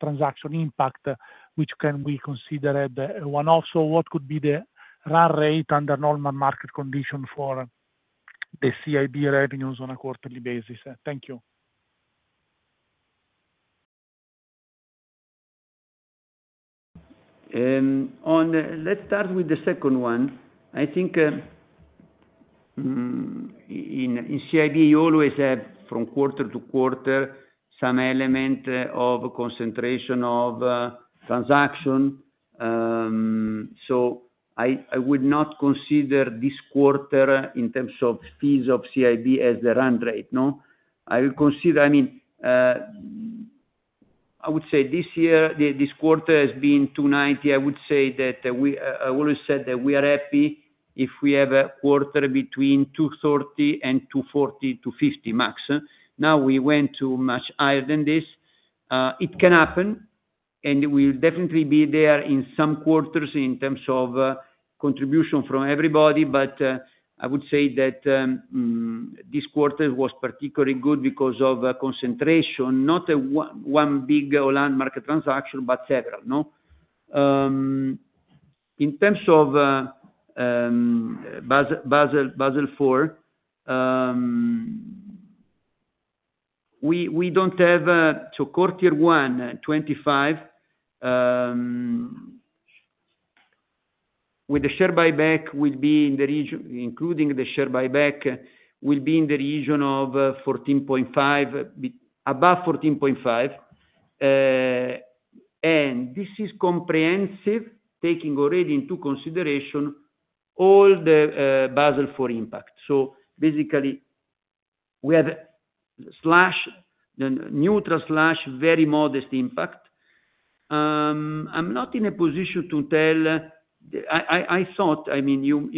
transaction impact, which can we consider as one of? So what could be the run rate under normal market conditions for the CIB revenues on a quarterly basis? Thank you. Let's start with the second one. I think in CIB, you always have from quarter to quarter some element of concentration of transaction. So I would not consider this quarter in terms of fees of CIB as the run rate. I mean, I would say this year, this quarter has been 290 million. I would say that I always said that we are happy if we have a quarter between 230 million and 250 million max. Now we went to much higher than this. It can happen, and we'll definitely be there in some quarters in terms of contribution from everybody. But I would say that this quarter was particularly good because of concentration, not one big landmark transaction, but several. In terms of Basel IV, we don't have so quarter 1, 2025, with the share buyback will be in the region, including the share buyback, will be in the region of 14.5, above 14.5. And this is comprehensive, taking already into consideration all the Basel IV impact. So basically, we have neutral slash very modest impact. I'm not in a position to tell. I thought, I mean, you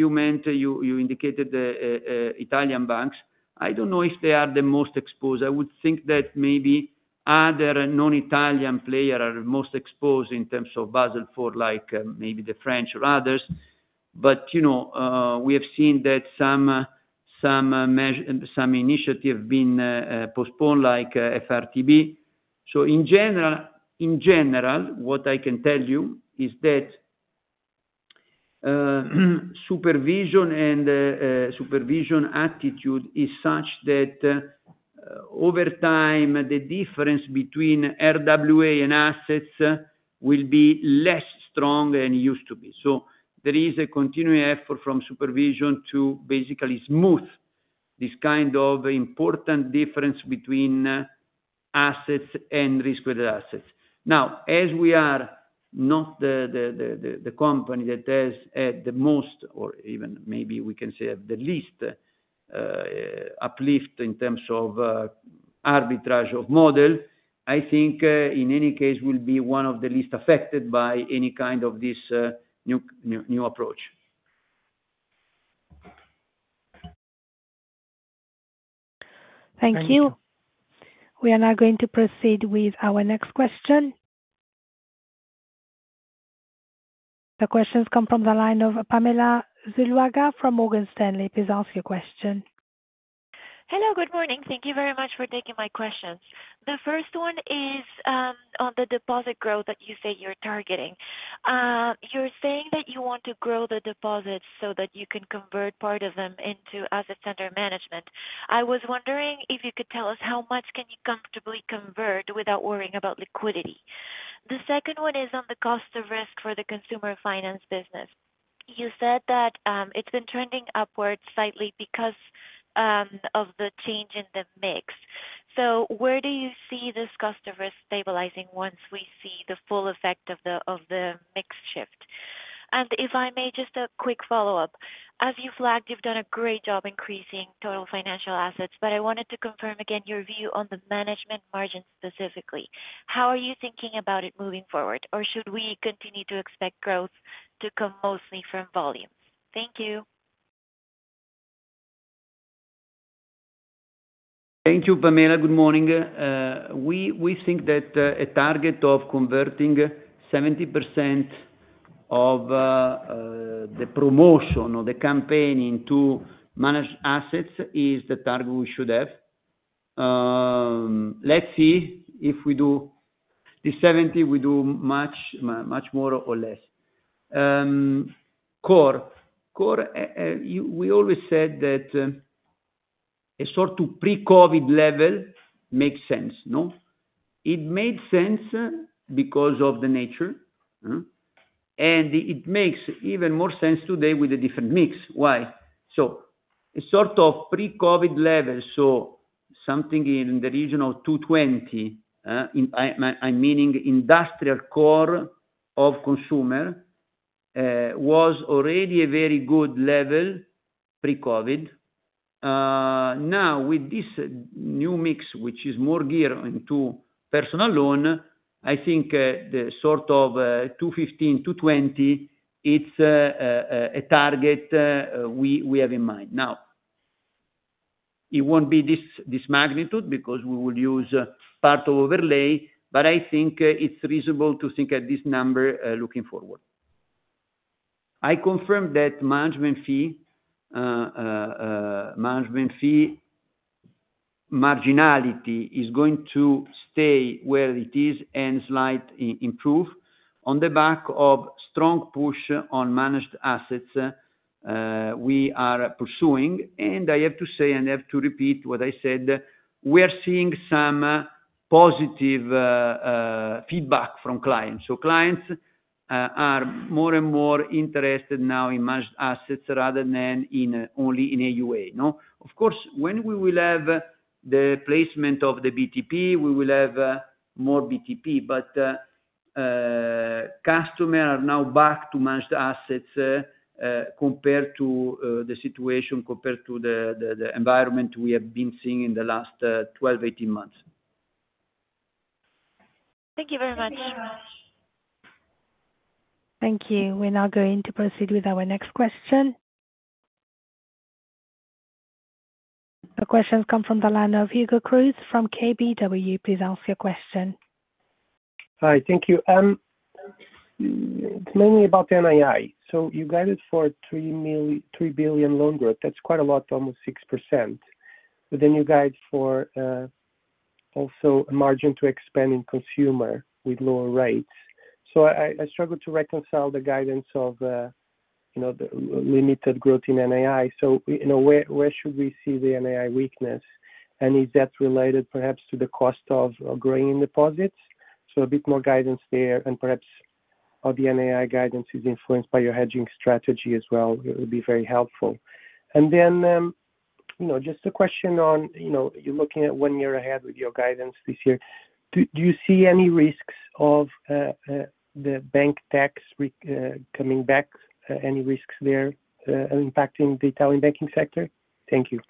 indicated the Italian banks. I don't know if they are the most exposed. I would think that maybe other non-Italian players are most exposed in terms of Basel IV, like maybe the French or others. But we have seen that some initiatives have been postponed, like FRTB. So in general, what I can tell you is that supervision and supervision attitude is such that over time, the difference between RWA and assets will be less strong than it used to be. So there is a continuing effort from supervision to basically smooth this kind of important difference between assets and risk with assets. Now, as we are not the company that has the most, or even maybe we can say the least uplift in terms of arbitrage of model, I think in any case will be one of the least affected by any kind of this new approach. Thank you. We are now going to proceed with our next question. The questions come from the line of Pamela Zuluaga from Morgan Stanley. Please ask your question. Hello, good morning. Thank you very much for taking my questions. The first one is on the deposit growth that you say you're targeting. You're saying that you want to grow the deposits so that you can convert part of them into assets under management. I was wondering if you could tell us how much can you comfortably convert without worrying about liquidity? The second one is on the cost of risk for the consumer finance business. You said that it's been trending upward slightly because of the change in the mix. So where do you see this cost of risk stabilizing once we see the full effect of the mix shift? And if I may, just a quick follow-up. As you've flagged, you've done a great job increasing total financial assets, but I wanted to confirm again your view on the management margin specifically. How are you thinking about it moving forward? Or should we continue to expect growth to come mostly from volumes? Thank you. Thank you, Pamela. Good morning. We think that a target of converting 70% of the promotion of the campaign into managed assets is the target we should have. Let's see if we do the 70, we do much more or less. Core. Core, we always said that a sort of pre-COVID level makes sense. It made sense because of the nature, and it makes even more sense today with a different mix. Why? So a sort of pre-COVID level, so something in the region of 220, I'm meaning industrial core of consumer, was already a very good level pre-COVID. Now, with this new mix, which is more gear into personal loan, I think the sort of 215-220, it's a target we have in mind. Now, it won't be this magnitude because we will use part of overlay, but I think it's reasonable to think at this number looking forward. I confirm that management fee marginality is going to stay where it is and slightly improve on the back of strong push on managed assets we are pursuing. I have to say, and I have to repeat what I said, we are seeing some positive feedback from clients. So clients are more and more interested now in managed assets rather than only in AUA. Of course, when we will have the placement of the BTP, we will have more BTP, but customers are now back to managed assets compared to the situation, compared to the environment we have been seeing in the last 12, 18 months. Thank you very much. Thank you. We're now going to proceed with our next question. The questions come from the line of Hugo Cruz from KBW. Please ask your question. Hi, thank you. It's mainly about M&I. So you guided for a 3 billion loan growth. That's quite a lot, almost 6%. But then you guide for also a margin to expand in consumer with lower rates. So I struggle to reconcile the guidance of limited growth in M&I. So where should we see the M&I weakness? And is that related perhaps to the cost of growing in deposits? So a bit more guidance there and perhaps how the M&I guidance is influenced by your hedging strategy as well. It would be very helpful. And then just a question on you looking at one year ahead with your guidance this year. Do you see any risks of the bank tax coming back? Any risks there impacting the Italian banking sector? Thank you.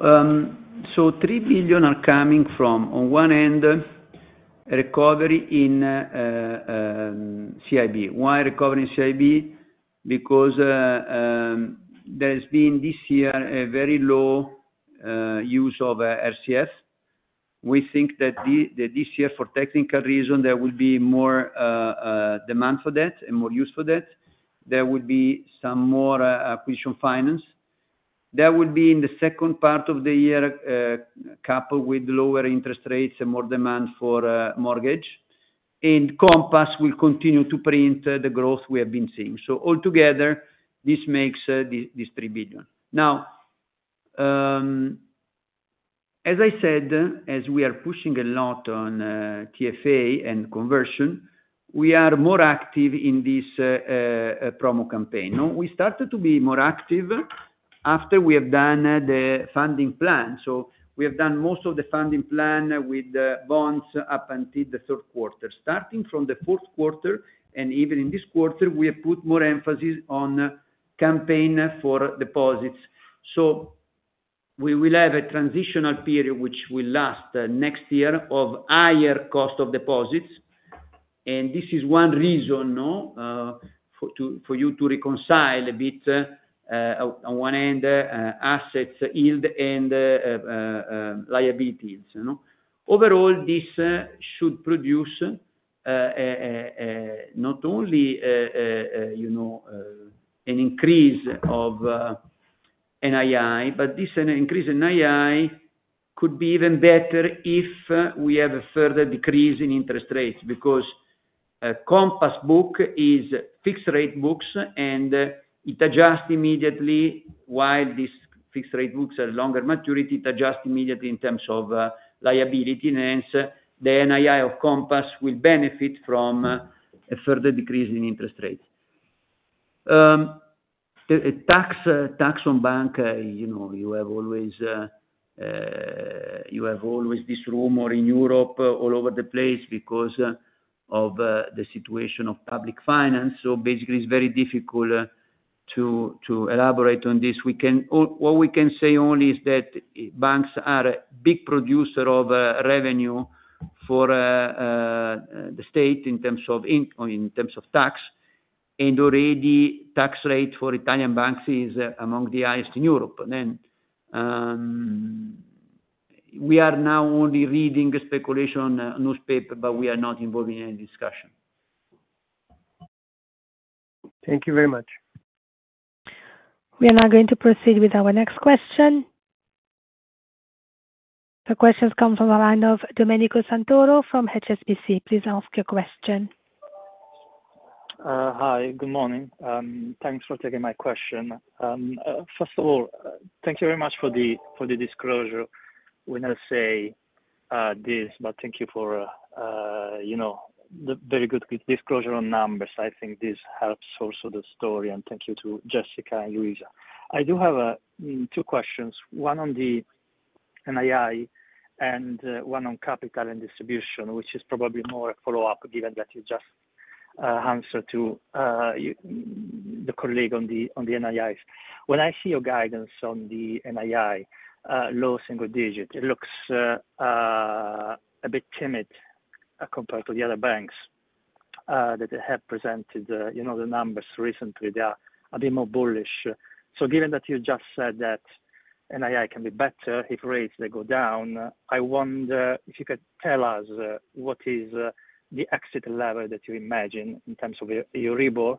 So 3 billion are coming from, on one end, recovery in CIB. Why recovery in CIB? Because there has been this year a very low use of RCF. We think that this year, for technical reasons, there will be more demand for that and more use for that. There will be some more acquisition finance. That will be in the second part of the year, coupled with lower interest rates and more demand for mortgage. And Compass will continue to print the growth we have been seeing. So altogether, this makes this 3 billion. Now, as I said, as we are pushing a lot on TFA and conversion, we are more active in this promo campaign. We started to be more active after we have done the funding plan. So we have done most of the funding plan with bonds up until the third quarter. Starting from the fourth quarter, and even in this quarter, we have put more emphasis on campaign for deposits. So we will have a transitional period, which will last next year, of higher cost of deposits. And this is one reason for you to reconcile a bit on the NII end, assets yield and liabilities. Overall, this should produce not only an increase of NII, but this increase in NII could be even better if we have a further decrease in interest rates because Compass book is fixed-rate books, and it adjusts immediately while these fixed-rate books are longer maturity. It adjusts immediately in terms of liability and hence the NII of Compass will benefit from a further decrease in interest rates. Tax on bank, you have always this rumor in Europe all over the place because of the situation of public finance. So basically, it's very difficult to elaborate on this. What we can say only is that banks are a big producer of revenue for the state in terms of tax. Already, tax rate for Italian banks is among the highest in Europe. We are now only reading speculation on the newspaper, but we are not involved in any discussion. Thank you very much. We are now going to proceed with our next question. The questions come from the line of Domenico Santoro from HSBC. Please ask your question. Hi, good morning. Thanks for taking my question. First of all, thank you very much for the disclosure. We never say this, but thank you for the very good disclosure on numbers. I think this helps also the story. Thank you to Jessica and Luisa. I do have two questions. One on the NII and one on capital and distribution, which is probably more a follow-up given that you just answered to the colleague on the NIIs. When I see your guidance on the NII, low single digit, it looks a bit timid compared to the other banks that have presented the numbers recently. They are a bit more bullish. So given that you just said that NII can be better if rates go down, I wonder if you could tell us what is the exit level that you imagine in terms of your Euribor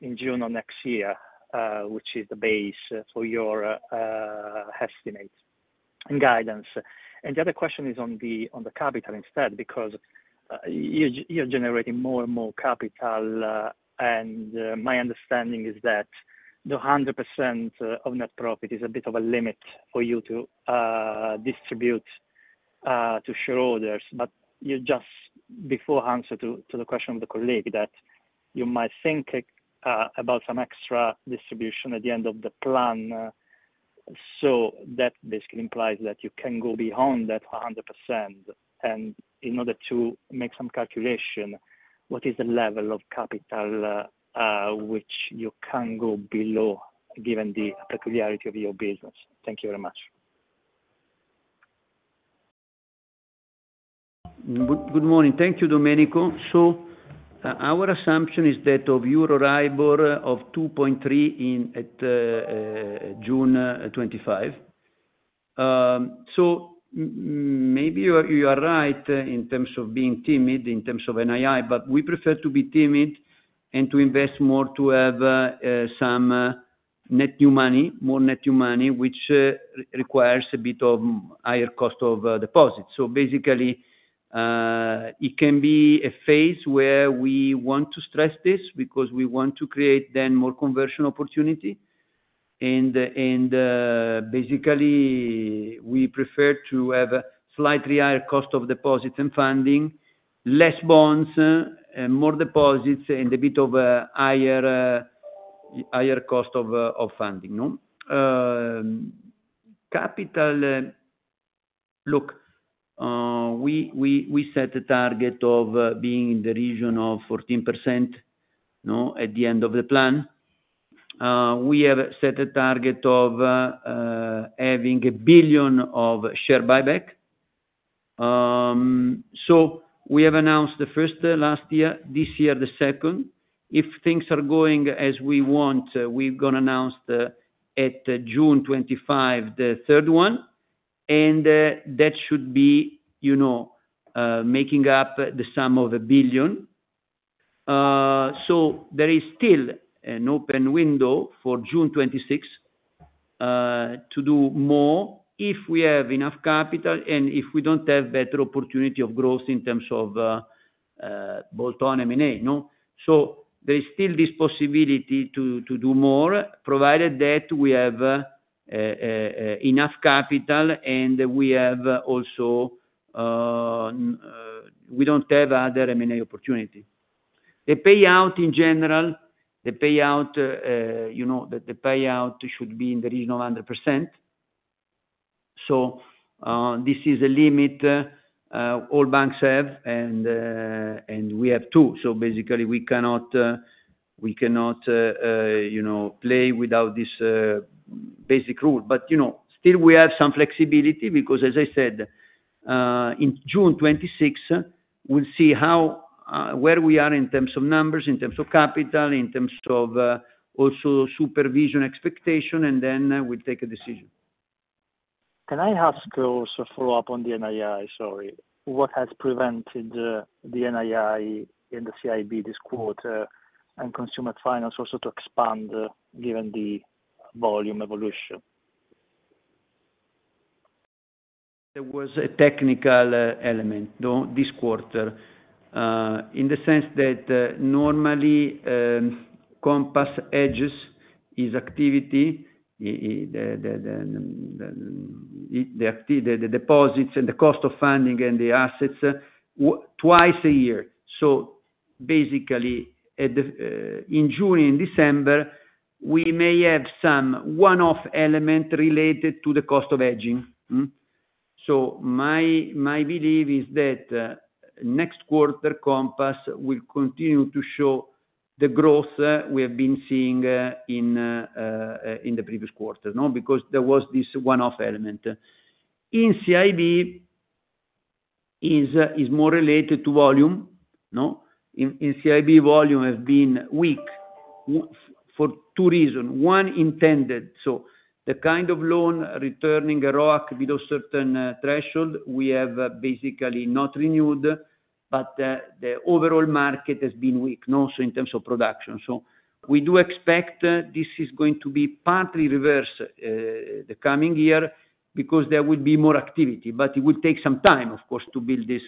in June or next year, which is the base for your estimate and guidance. And the other question is on the capital instead because you're generating more and more capital. And my understanding is that the 100% of net profit is a bit of a limit for you to distribute to shareholders. But you just before answered to the question of the colleague that you might think about some extra distribution at the end of the plan. So that basically implies that you can go beyond that 100%. And in order to make some calculation, what is the level of capital which you can go below given the peculiarity of your business? Thank you very much. Good morning. Thank you, Domenico. So our assumption is that of Euribor of 2.3 in June 2025. So maybe you are right in terms of being timid in terms of NII, but we prefer to be timid and to invest more to have some net new money, more net new money, which requires a bit of higher cost of deposits. So basically, it can be a phase where we want to stress this because we want to create then more conversion opportunity. And basically, we prefer to have slightly higher cost of deposits and funding, less bonds, more deposits, and a bit of a higher cost of funding. Capital, look, we set a target of being in the region of 14% at the end of the plan. We have set a target of having 1 billion of share buyback. So we have announced the first last year, this year the second. If things are going as we want, we're going to announce at June 25 the third one. And that should be making up the sum of 1 billion. So there is still an open window for June 26 to do more if we have enough capital and if we don't have better opportunity of growth in terms of bolt-on M&A. So there is still this possibility to do more provided that we have enough capital and we have also we don't have other M&A opportunity. The payout in general, the payout should be in the region of 100%. So this is a limit all banks have and we have too. So basically, we cannot play without this basic rule. But still, we have some flexibility because, as I said, in June 2026, we'll see where we are in terms of numbers, in terms of capital, in terms of also supervisory expectations, and then we'll take a decision. Can I ask also a follow-up on the NII? Sorry. What has prevented the NII and the CIB this quarter and consumer finance also to expand given the volume evolution? There was a technical element this quarter in the sense that normally Compass hedges its activity, the deposits and the cost of funding and the assets twice a year. So basically, in June and December, we may have some one-off element related to the cost of hedging. So my belief is that next quarter, Compass will continue to show the growth we have been seeing in the previous quarter because there was this one-off element. In CIB, it is more related to volume. In CIB, volume has been weak for two reasons. One intended. So the kind of loan returning a ROAC below certain threshold, we have basically not renewed, but the overall market has been weak, also in terms of production. So we do expect this is going to be partly reversed the coming year because there will be more activity. But it will take some time, of course, to build this.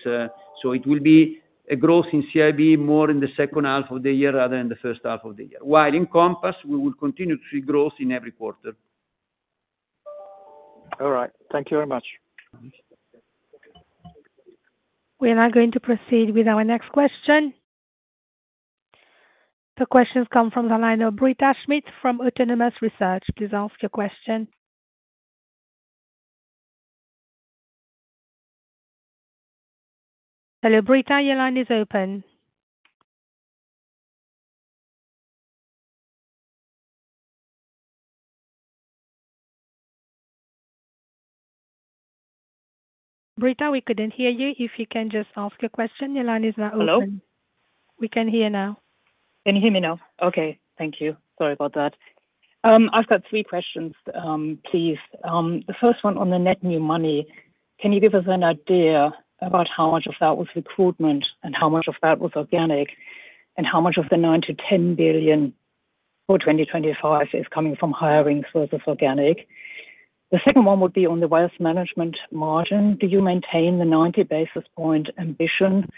So it will be a growth in CIB more in the second half of the year rather than the first half of the year. While in Compass, we will continue to see growth in every quarter. All right. Thank you very much. We are now going to proceed with our next question. The questions come from the line of Britta Schmidt from Autonomous Research. Please ask your question. Hello, Britta. Your line is open. Britta, we couldn't hear you. If you can just ask your question. Your line is now open. Hello? We can hear you now. Can you hear me now? Okay. Thank you. Sorry about that. I've got three questions, please. The first one on the net new money. Can you give us an idea about how much of that was recruitment and how much of that was organic and how much of the 9 billion-10 billion for 2025 is coming from hiring sources organic? The second one would be on the wealth management margin. Do you maintain the 90 basis points ambition?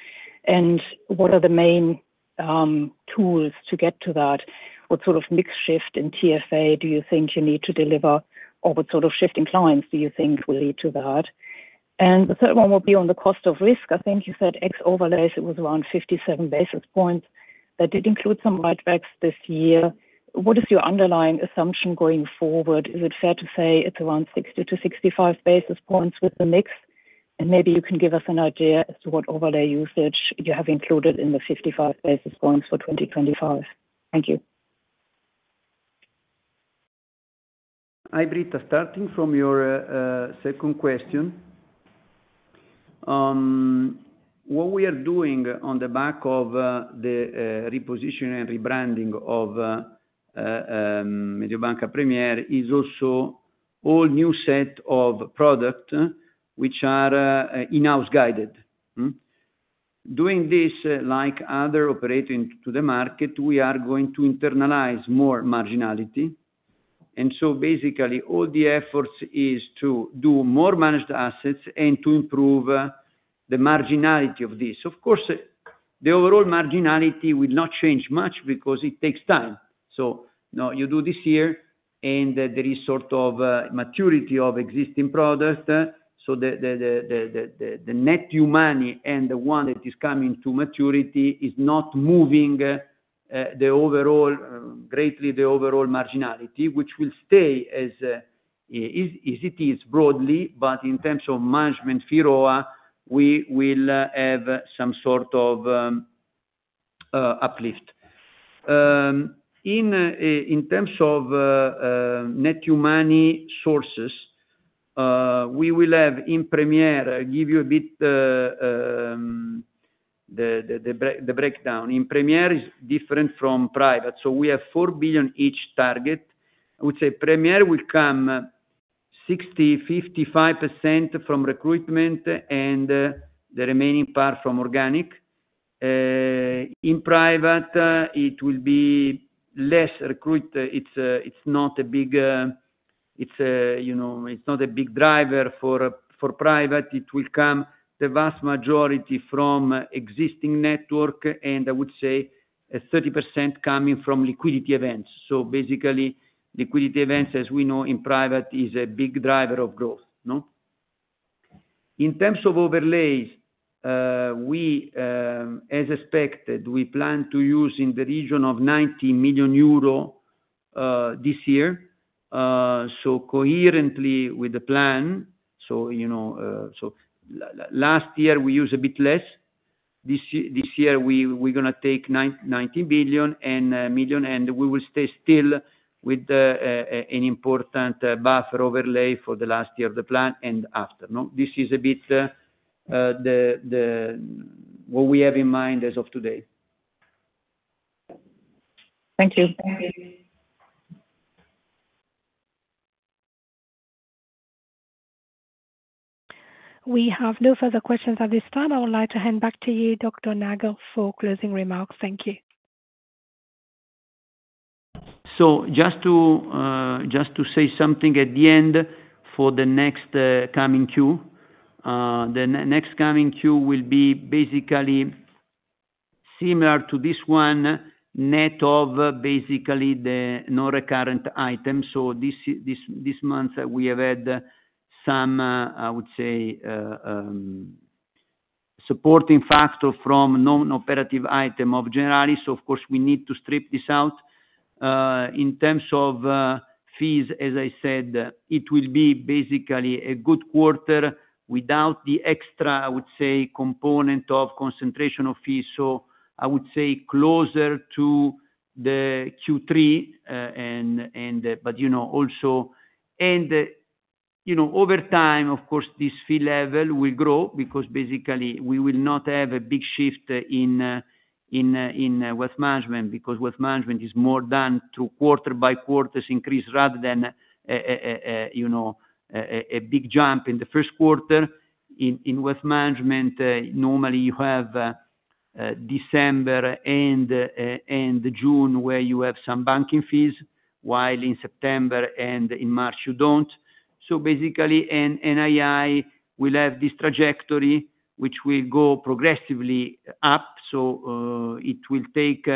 And what are the main tools to get to that? What sort of mix shift in TFA do you think you need to deliver? Or what sort of shift in clients do you think will lead to that? And the third one would be on the cost of risk. I think you said ex overlays. It was around 57 basis points. That did include some write-backs this year. What is your underlying assumption going forward? Is it fair to say it's around 60-65 basis points with the mix? And maybe you can give us an idea as to what overlay usage you have included in the 55 basis points for 2025. Thank you. Hi, Britta. Starting from your second question, what we are doing on the back of the repositioning and rebranding of Mediobanca Premier is also all new set of products which are in-house guided. Doing this, unlike other offerings to the market, we are going to internalize more marginality. And so basically, all the efforts is to do more managed assets and to improve the marginality of this. Of course, the overall marginality will not change much because it takes time. So you do this year and there is sort of maturity of existing product. So the net new money and the one that is coming to maturity is not moving greatly the overall marginality, which will stay as it is broadly. But in terms of management, fee ROA, we will have some sort of uplift. In terms of net new money sources, we will have in Premier give you a bit the breakdown. In Premier is different from private. So we have 4 billion each target. I would say Premier will come 60%-55% from recruitment and the remaining part from organic. In private, it will be less recruit. It's not a big it's not a big driver for private. It will come the vast majority from existing network. I would say 30% coming from liquidity events. So basically, liquidity events, as we know, in private is a big driver of growth. In terms of overlays, as expected, we plan to use in the region of 90 million euro this year. So coherently with the plan. So last year, we used a bit less. This year, we're going to take 90 billion and we will stay still with an important buffer overlay for the last year of the plan and after. This is a bit what we have in mind as of today. Thank you. Thank you. We have no further questions at this time. I would like to hand back to you, Dr. Nagel, for closing remarks. Thank you. So just to say something at the end for the next coming Q, the next coming Q will be basically similar to this one, net of basically the non-recurrent items. So this month, we have had some, I would say, supporting factor from non-operative item of Generali. So of course, we need to strip this out. In terms of fees, as I said, it will be basically a good quarter without the extra, I would say, component of concentration of fees. So I would say closer to the Q3, but also. And over time, of course, this fee level will grow because basically, we will not have a big shift in wealth management because wealth management is more done through quarter by quarter increase rather than a big jump in the first quarter. In wealth management, normally, you have December and June where you have some banking fees, while in September and in March, you don't. So basically, NII will have this trajectory, which will go progressively up. So it will take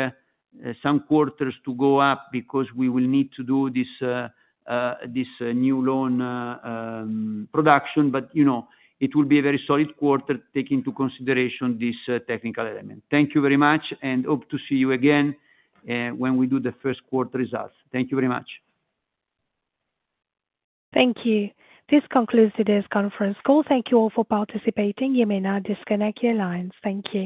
some quarters to go up because we will need to do this new loan production. But it will be a very solid quarter taking into consideration this technical element. Thank you very much. And hope to see you again when we do the first quarter results. Thank you very much. Thank you. This concludes today's conference call. Thank you all for participating. You may now disconnect your lines. Thank you.